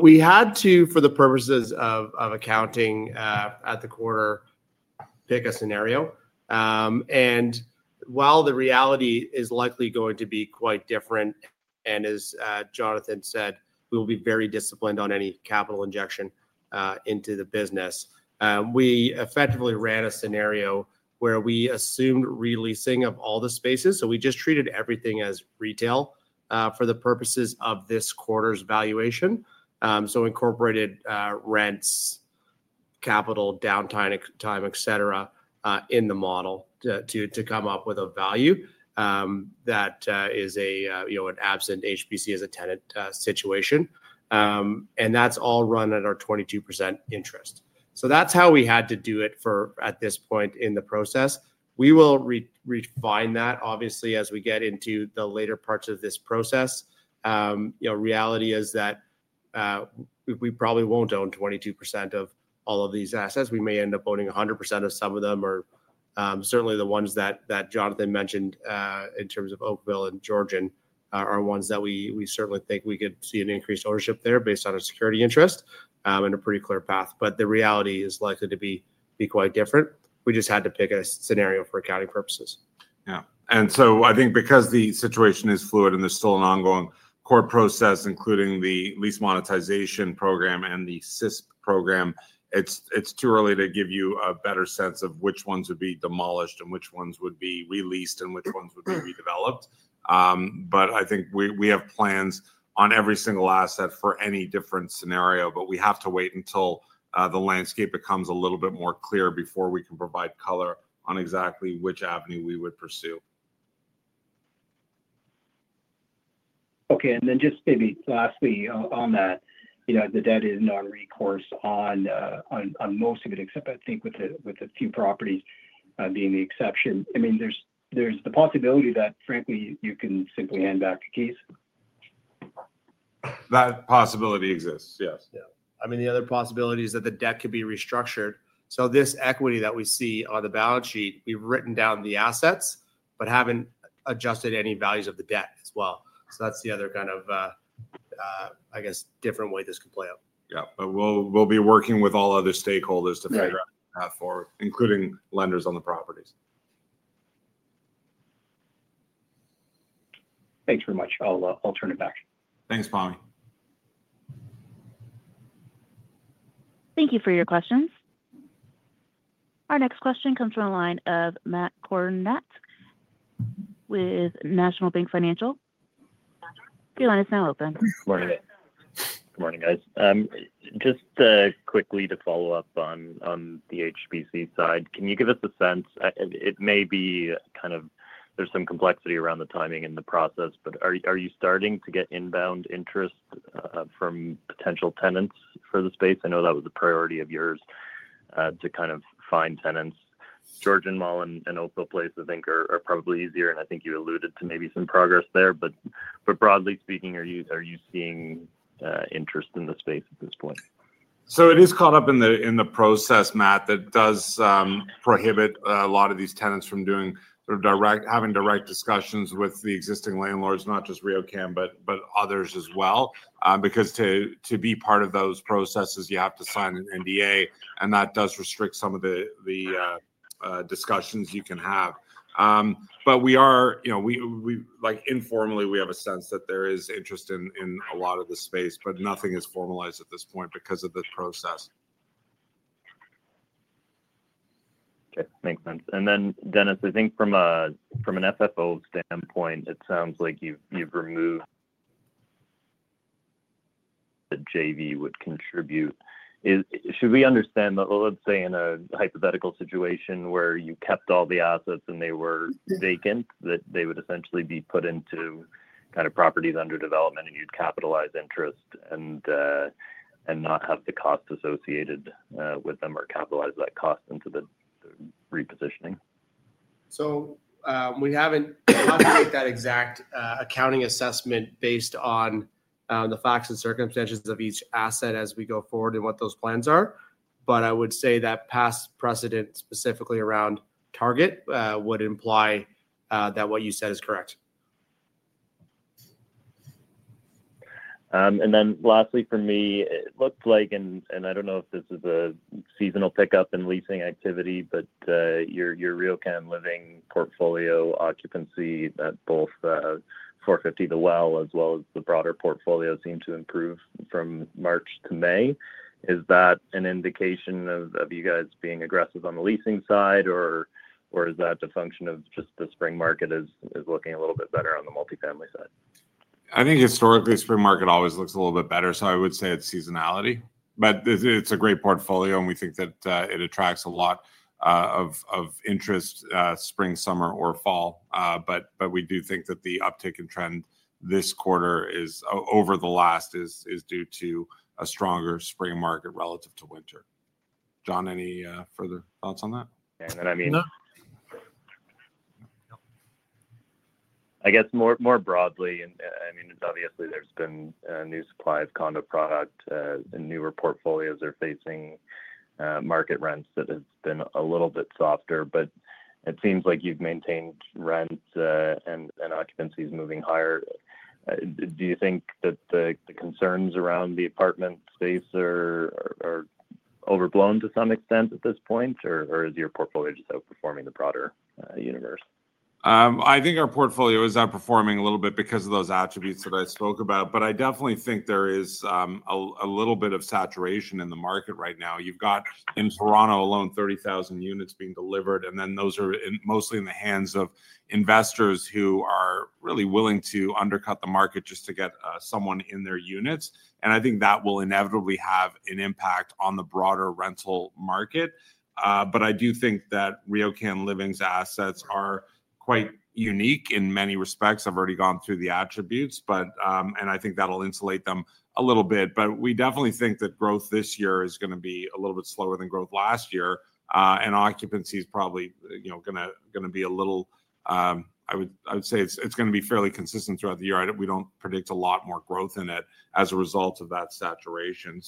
We had to, for the purposes of accounting at the quarter, pick a scenario. While the reality is likely going to be quite different, and as Jonathan said, we will be very disciplined on any capital injection into the business. We effectively ran a scenario where we assumed releasing of all the spaces. We just treated everything as retail for the purposes of this quarter's valuation. Incorporated rents, capital, downtime, etc., in the model to come up with a value that is an absent HBC as a tenant situation. That is all run at our 22% interest. That is how we had to do it at this point in the process. We will refine that, obviously, as we get into the later parts of this process. Reality is that we probably will not own 22% of all of these assets. We may end up owning 100% of some of them. Certainly, the ones that Jonathan mentioned in terms of Oakville and Georgian are ones that we certainly think we could see an increased ownership there based on a security interest and a pretty clear path. The reality is likely to be quite different. We just had to pick a scenario for accounting purposes. Yeah. I think because the situation is fluid and there is still an ongoing court process, including the lease monetization program and the CISP program, it is too early to give you a better sense of which ones would be demolished and which ones would be released and which ones would be redeveloped. I think we have plans on every single asset for any different scenario, but we have to wait until the landscape becomes a little bit more clear before we can provide color on exactly which avenue we would pursue. Okay. Just maybe lastly on that, the debt is not on recourse on most of it, except I think with a few properties being the exception. I mean, there is the possibility that, frankly, you can simply hand back the keys? That possibility exists, yes. I mean, the other possibility is that the debt could be restructured. This equity that we see on the balance sheet, we've written down the assets, but haven't adjusted any values of the debt as well. That's the other kind of, I guess, different way this could play out. Yeah. We'll be working with all other stakeholders to figure out the path forward, including lenders on the properties. Thanks very much. I'll turn it back. Thanks, Tommy. Thank you for your questions. Our next question comes from a line of Matt Kornack with National Bank Financial. Your line is now open. Good morning. Good morning, guys. Just quickly to follow up on the HBC side, can you give us a sense? It may be kind of there's some complexity around the timing and the process, but are you starting to get inbound interest from potential tenants for the space? I know that was a priority of yours to kind of find tenants. Georgian Mall and Oakville Place, I think, are probably easier, and I think you alluded to maybe some progress there. Broadly speaking, are you seeing interest in the space at this point? It is caught up in the process, Matt, that does prohibit a lot of these tenants from having direct discussions with the existing landlords, not just RioCan, but others as well. To be part of those processes, you have to sign an NDA, and that does restrict some of the discussions you can have. We are, informally, we have a sense that there is interest in a lot of the space, but nothing is formalized at this point because of the process. Okay. Makes sense. Dennis, I think from an FFO standpoint, it sounds like you've removed the JV would contribute. Should we understand that, let's say, in a hypothetical situation where you kept all the assets and they were vacant, that they would essentially be put into kind of properties under development and you'd capitalize interest and not have the cost associated with them or capitalize that cost into the repositioning? We haven't calculated that exact accounting assessment based on the facts and circumstances of each asset as we go forward and what those plans are. I would say that past precedent specifically around target would imply that what you said is correct. Lastly, for me, it looks like, and I do not know if this is a seasonal pickup in leasing activity, but your RioCan Living portfolio occupancy at both 450 The Well as well as the broader portfolio seem to improve from March to May. Is that an indication of you guys being aggressive on the leasing side, or is that a function of just the spring market is looking a little bit better on the multifamily side? I think historically, spring market always looks a little bit better, so I would say it is seasonality. It is a great portfolio, and we think that it attracts a lot of interest spring, summer, or fall. We do think that the uptick in trend this quarter over the last is due to a stronger spring market relative to winter. John, any further thoughts on that? I mean, I guess more broadly, obviously, there's been new supply of condo product, and newer portfolios are facing market rents that have been a little bit softer. It seems like you've maintained rents and occupancies moving higher. Do you think that the concerns around the apartment space are overblown to some extent at this point, or is your portfolio just outperforming the broader universe? I think our portfolio is outperforming a little bit because of those attributes that I spoke about. I definitely think there is a little bit of saturation in the market right now. You've got, in Toronto alone, 30,000 units being delivered, and those are mostly in the hands of investors who are really willing to undercut the market just to get someone in their units. I think that will inevitably have an impact on the broader rental market. I do think that RioCan Living's assets are quite unique in many respects. I have already gone through the attributes, and I think that will insulate them a little bit. We definitely think that growth this year is going to be a little bit slower than growth last year. Occupancy is probably going to be a little, I would say it is going to be fairly consistent throughout the year. We do not predict a lot more growth in it as a result of that saturation.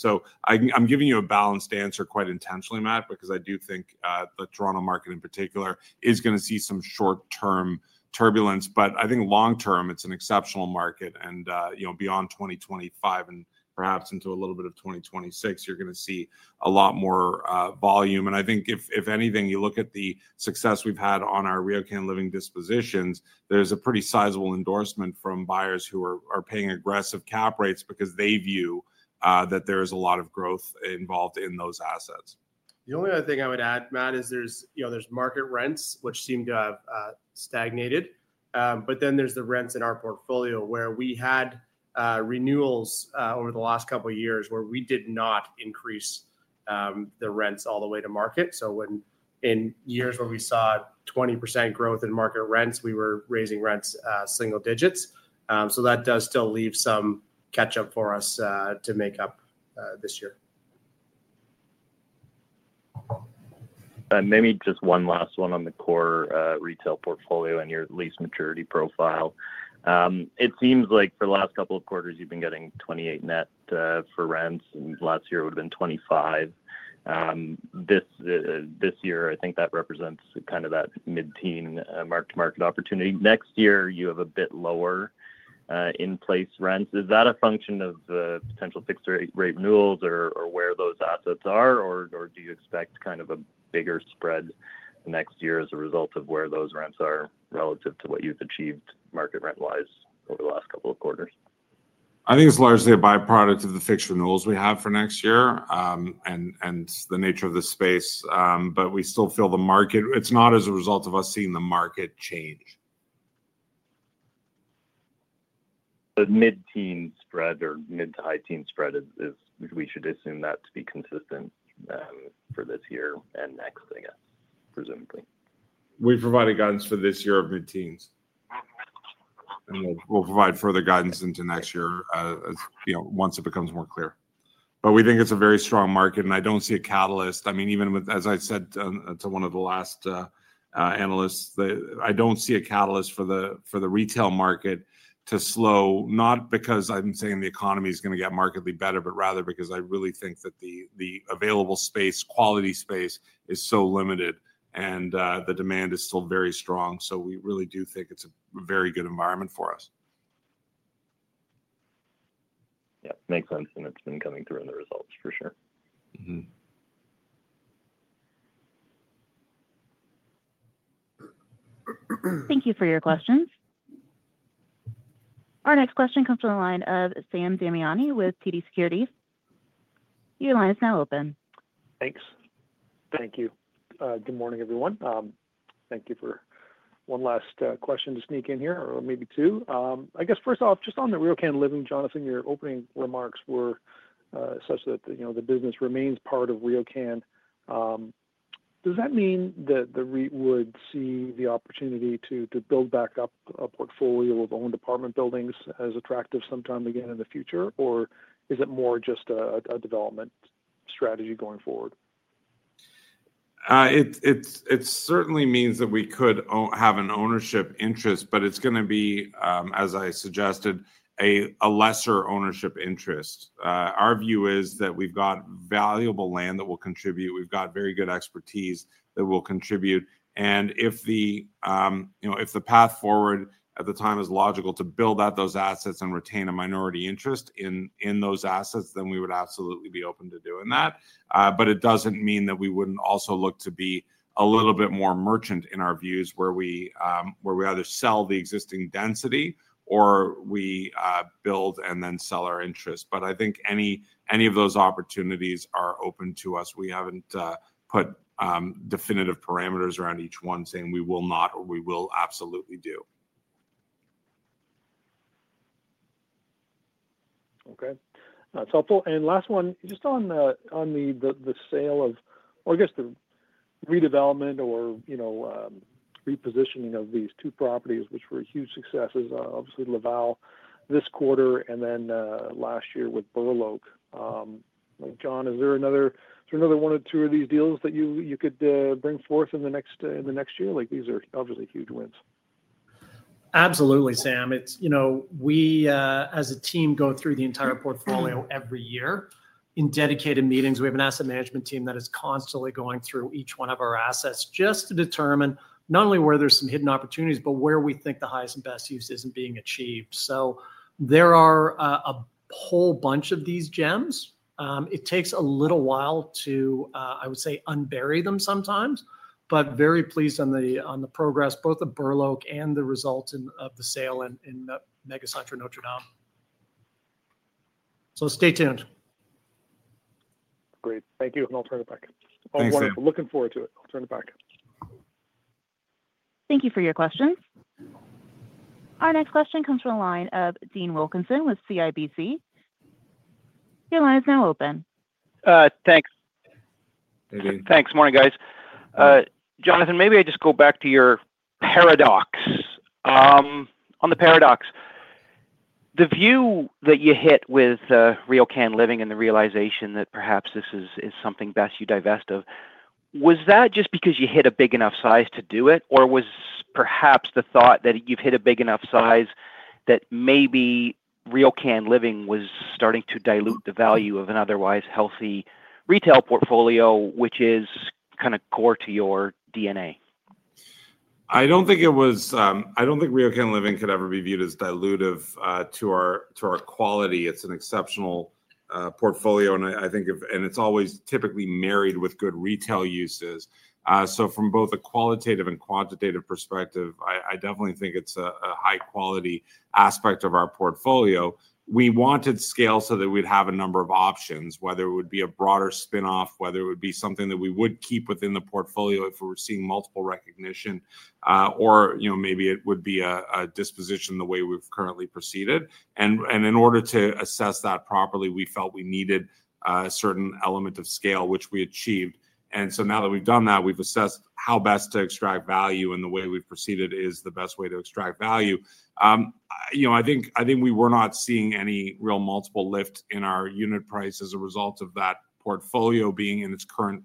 I am giving you a balanced answer quite intentionally, Matt, because I do think the Toronto market in particular is going to see some short-term turbulence. I think long-term, it is an exceptional market. Beyond 2025 and perhaps into a little bit of 2026, you're going to see a lot more volume. I think, if anything, you look at the success we've had on our RioCan Living dispositions, there's a pretty sizable endorsement from buyers who are paying aggressive cap rates because they view that there is a lot of growth involved in those assets. The only other thing I would add, Matt, is there's market rents, which seem to have stagnated. But then there's the rents in our portfolio where we had renewals over the last couple of years where we did not increase the rents all the way to market. In years where we saw 20% growth in market rents, we were raising rents single digits. That does still leave some catch-up for us to make up this year. Maybe just one last one on the core retail portfolio and your lease maturity profile. It seems like for the last couple of quarters, you've been getting $ 28 net for rents. Last year, it would have been $ 25. This year, I think that represents kind of that mid-teen mark-to-market opportunity. Next year, you have a bit lower in place rents. Is that a function of potential fixed-rate renewals or where those assets are, or do you expect kind of a bigger spread next year as a result of where those rents are relative to what you've achieved market rent-wise over the last couple of quarters? I think it's largely a byproduct of the fixed renewals we have for next year and the nature of the space. We still feel the market, it's not as a result of us seeing the market change. The mid-teen spread or mid-to-high-teen spread, we should assume that to be consistent for this year and next, I guess, presumably. We've provided guidance for this year of mid-teens. We'll provide further guidance into next year once it becomes more clear. I think it's a very strong market, and I don't see a catalyst. I mean, even as I said to one of the last analysts, I don't see a catalyst for the retail market to slow, not because I'm saying the economy is going to get markedly better, but rather because I really think that the available space, quality space, is so limited and the demand is still very strong. We really do think it's a very good environment for us. Yeah. Makes sense. It's been coming through in the results, for sure. Thank you for your questions. Our next question comes from the line of Sam Damiani with TD Securities. Your line is now open. Thanks. Thank you. Good morning, everyone. Thank you for one last question to sneak in here, or maybe two. I guess, first off, just on the RioCan Living, Jonathan, your opening remarks were such that the business remains part of RioCan. Does that mean that the REIT would see the opportunity to build back up a portfolio of owned apartment buildings as attractive sometime again in the future, or is it more just a development strategy going forward? It certainly means that we could have an ownership interest, but it's going to be, as I suggested, a lesser ownership interest. Our view is that we've got valuable land that will contribute. We've got very good expertise that will contribute. If the path forward at the time is logical to build out those assets and retain a minority interest in those assets, we would absolutely be open to doing that. It does not mean that we would not also look to be a little bit more merchant in our views where we either sell the existing density or we build and then sell our interest. I think any of those opportunities are open to us. We have not put definitive parameters around each one saying we will not or we will absolutely do. Okay. That is helpful. Last one, just on the sale of, or I guess the redevelopment or repositioning of these two properties, which were huge successes, obviously Laval this quarter and then last year with Burloke. John, is there another one or two of these deals that you could bring forth in the next year? These are obviously huge wins. Absolutely, Sam. We, as a team, go through the entire portfolio every year in dedicated meetings. We have an asset management team that is constantly going through each one of our assets just to determine not only where there's some hidden opportunities, but where we think the highest and best use isn't being achieved. There are a whole bunch of these gems. It takes a little while to, I would say, unbury them sometimes, but very pleased on the progress, both of Burloke and the result of the sale in MegaCentre Notre Dame. Stay tuned. Great. Thank you, and I'll turn it back. Oh, wonderful. Looking forward to it. I'll turn it back. Thank you for your questions. Our next question comes from a line of Dean Wilkinson with CIBC. Your line is now open. Thanks. Morning, guys. Jonathan, maybe I just go back to your paradox. On the paradox, the view that you hit with RioCan Living and the realization that perhaps this is something best you divest of, was that just because you hit a big enough size to do it, or was perhaps the thought that you've hit a big enough size that maybe RioCan Living was starting to dilute the value of an otherwise healthy retail portfolio, which is kind of core to your DNA? I don't think it was, I don't think RioCan Living could ever be viewed as dilutive to our quality. It's an exceptional portfolio, and I think of, and it's always typically married with good retail uses. From both a qualitative and quantitative perspective, I definitely think it's a high-quality aspect of our portfolio. We wanted scale so that we'd have a number of options, whether it would be a broader spinoff, whether it would be something that we would keep within the portfolio if we were seeing multiple recognition, or maybe it would be a disposition the way we've currently proceeded. In order to assess that properly, we felt we needed a certain element of scale, which we achieved. Now that we've done that, we've assessed how best to extract value and the way we've proceeded is the best way to extract value. I think we were not seeing any real multiple lift in our unit price as a result of that portfolio being in its current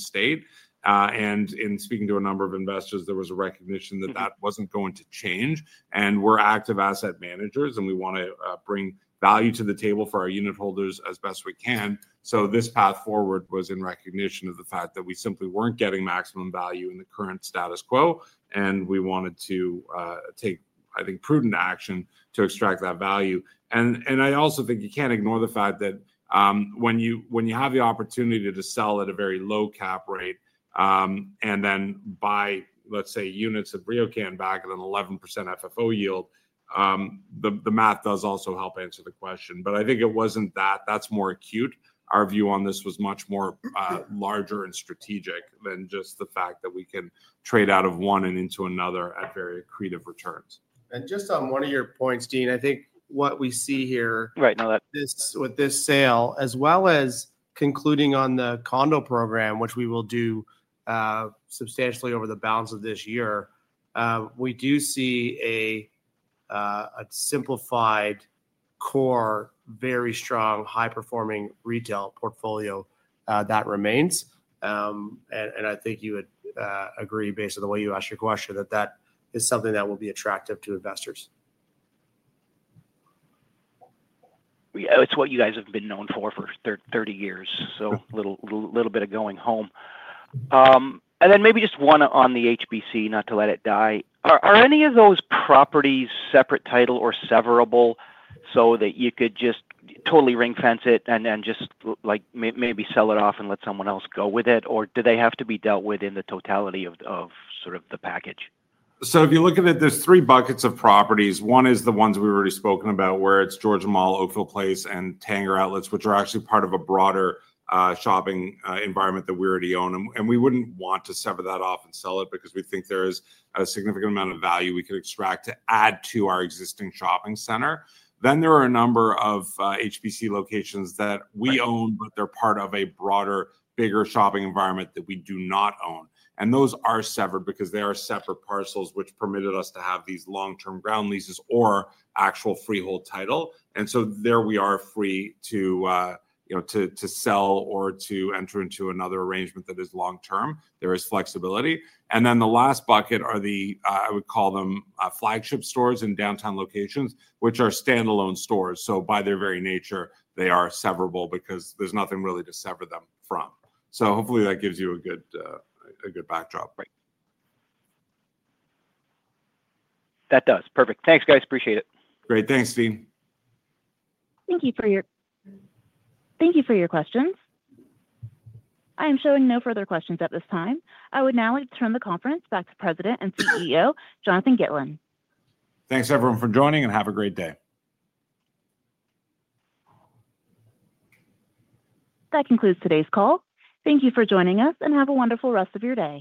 state. In speaking to a number of investors, there was a recognition that that was not going to change. We're active asset managers, and we want to bring value to the table for our unit holders as best we can. This path forward was in recognition of the fact that we simply were not getting maximum value in the current status quo, and we wanted to take, I think, prudent action to extract that value. I also think you cannot ignore the fact that when you have the opportunity to sell at a very low cap rate and then buy, let's say, units of RioCan back at an 11% FFO yield, the math does also help answer the question. I think it was not that. That is more acute. Our view on this was much more larger and strategic than just the fact that we can trade out of one and into another at very accretive returns. Just on one of your points, Dean, I think what we see here, right, now that with this sale, as well as concluding on the condo program, which we will do substantially over the balance of this year, we do see a simplified, core, very strong, high-performing retail portfolio that remains. I think you would agree based on the way you asked your question that that is something that will be attractive to investors. It is what you guys have been known for for 30 years, so a little bit of going home. Maybe just one on the HBC, not to let it die. Are any of those properties separate title or severable so that you could just totally ring-fence it and then just maybe sell it off and let someone else go with it, or do they have to be dealt with in the totality of sort of the package? If you look at it, there are three buckets of properties. One is the ones we've already spoken about where it's Georgian Mall, Oakville Place, and Tanger Outlets, which are actually part of a broader shopping environment that we already own. We wouldn't want to sever that off and sell it because we think there is a significant amount of value we could extract to add to our existing shopping center. There are a number of HBC locations that we own, but they're part of a broader, bigger shopping environment that we do not own. Those are severed because they are separate parcels, which permitted us to have these long-term ground leases or actual freehold title. There we are free to sell or to enter into another arrangement that is long-term. There is flexibility. The last bucket are the, I would call them, flagship stores in downtown locations, which are standalone stores. By their very nature, they are severable because there is nothing really to sever them from. Hopefully that gives you a good backdrop. That does. Perfect. Thanks, guys. Appreciate it. Great. Thanks, Dean. Thank you for your questions. I am showing no further questions at this time. I would now like to turn the conference back to President and CEO Jonathan Gitlin. Thanks, everyone, for joining, and have a great day. That concludes today's call. Thank you for joining us, and have a wonderful rest of your day.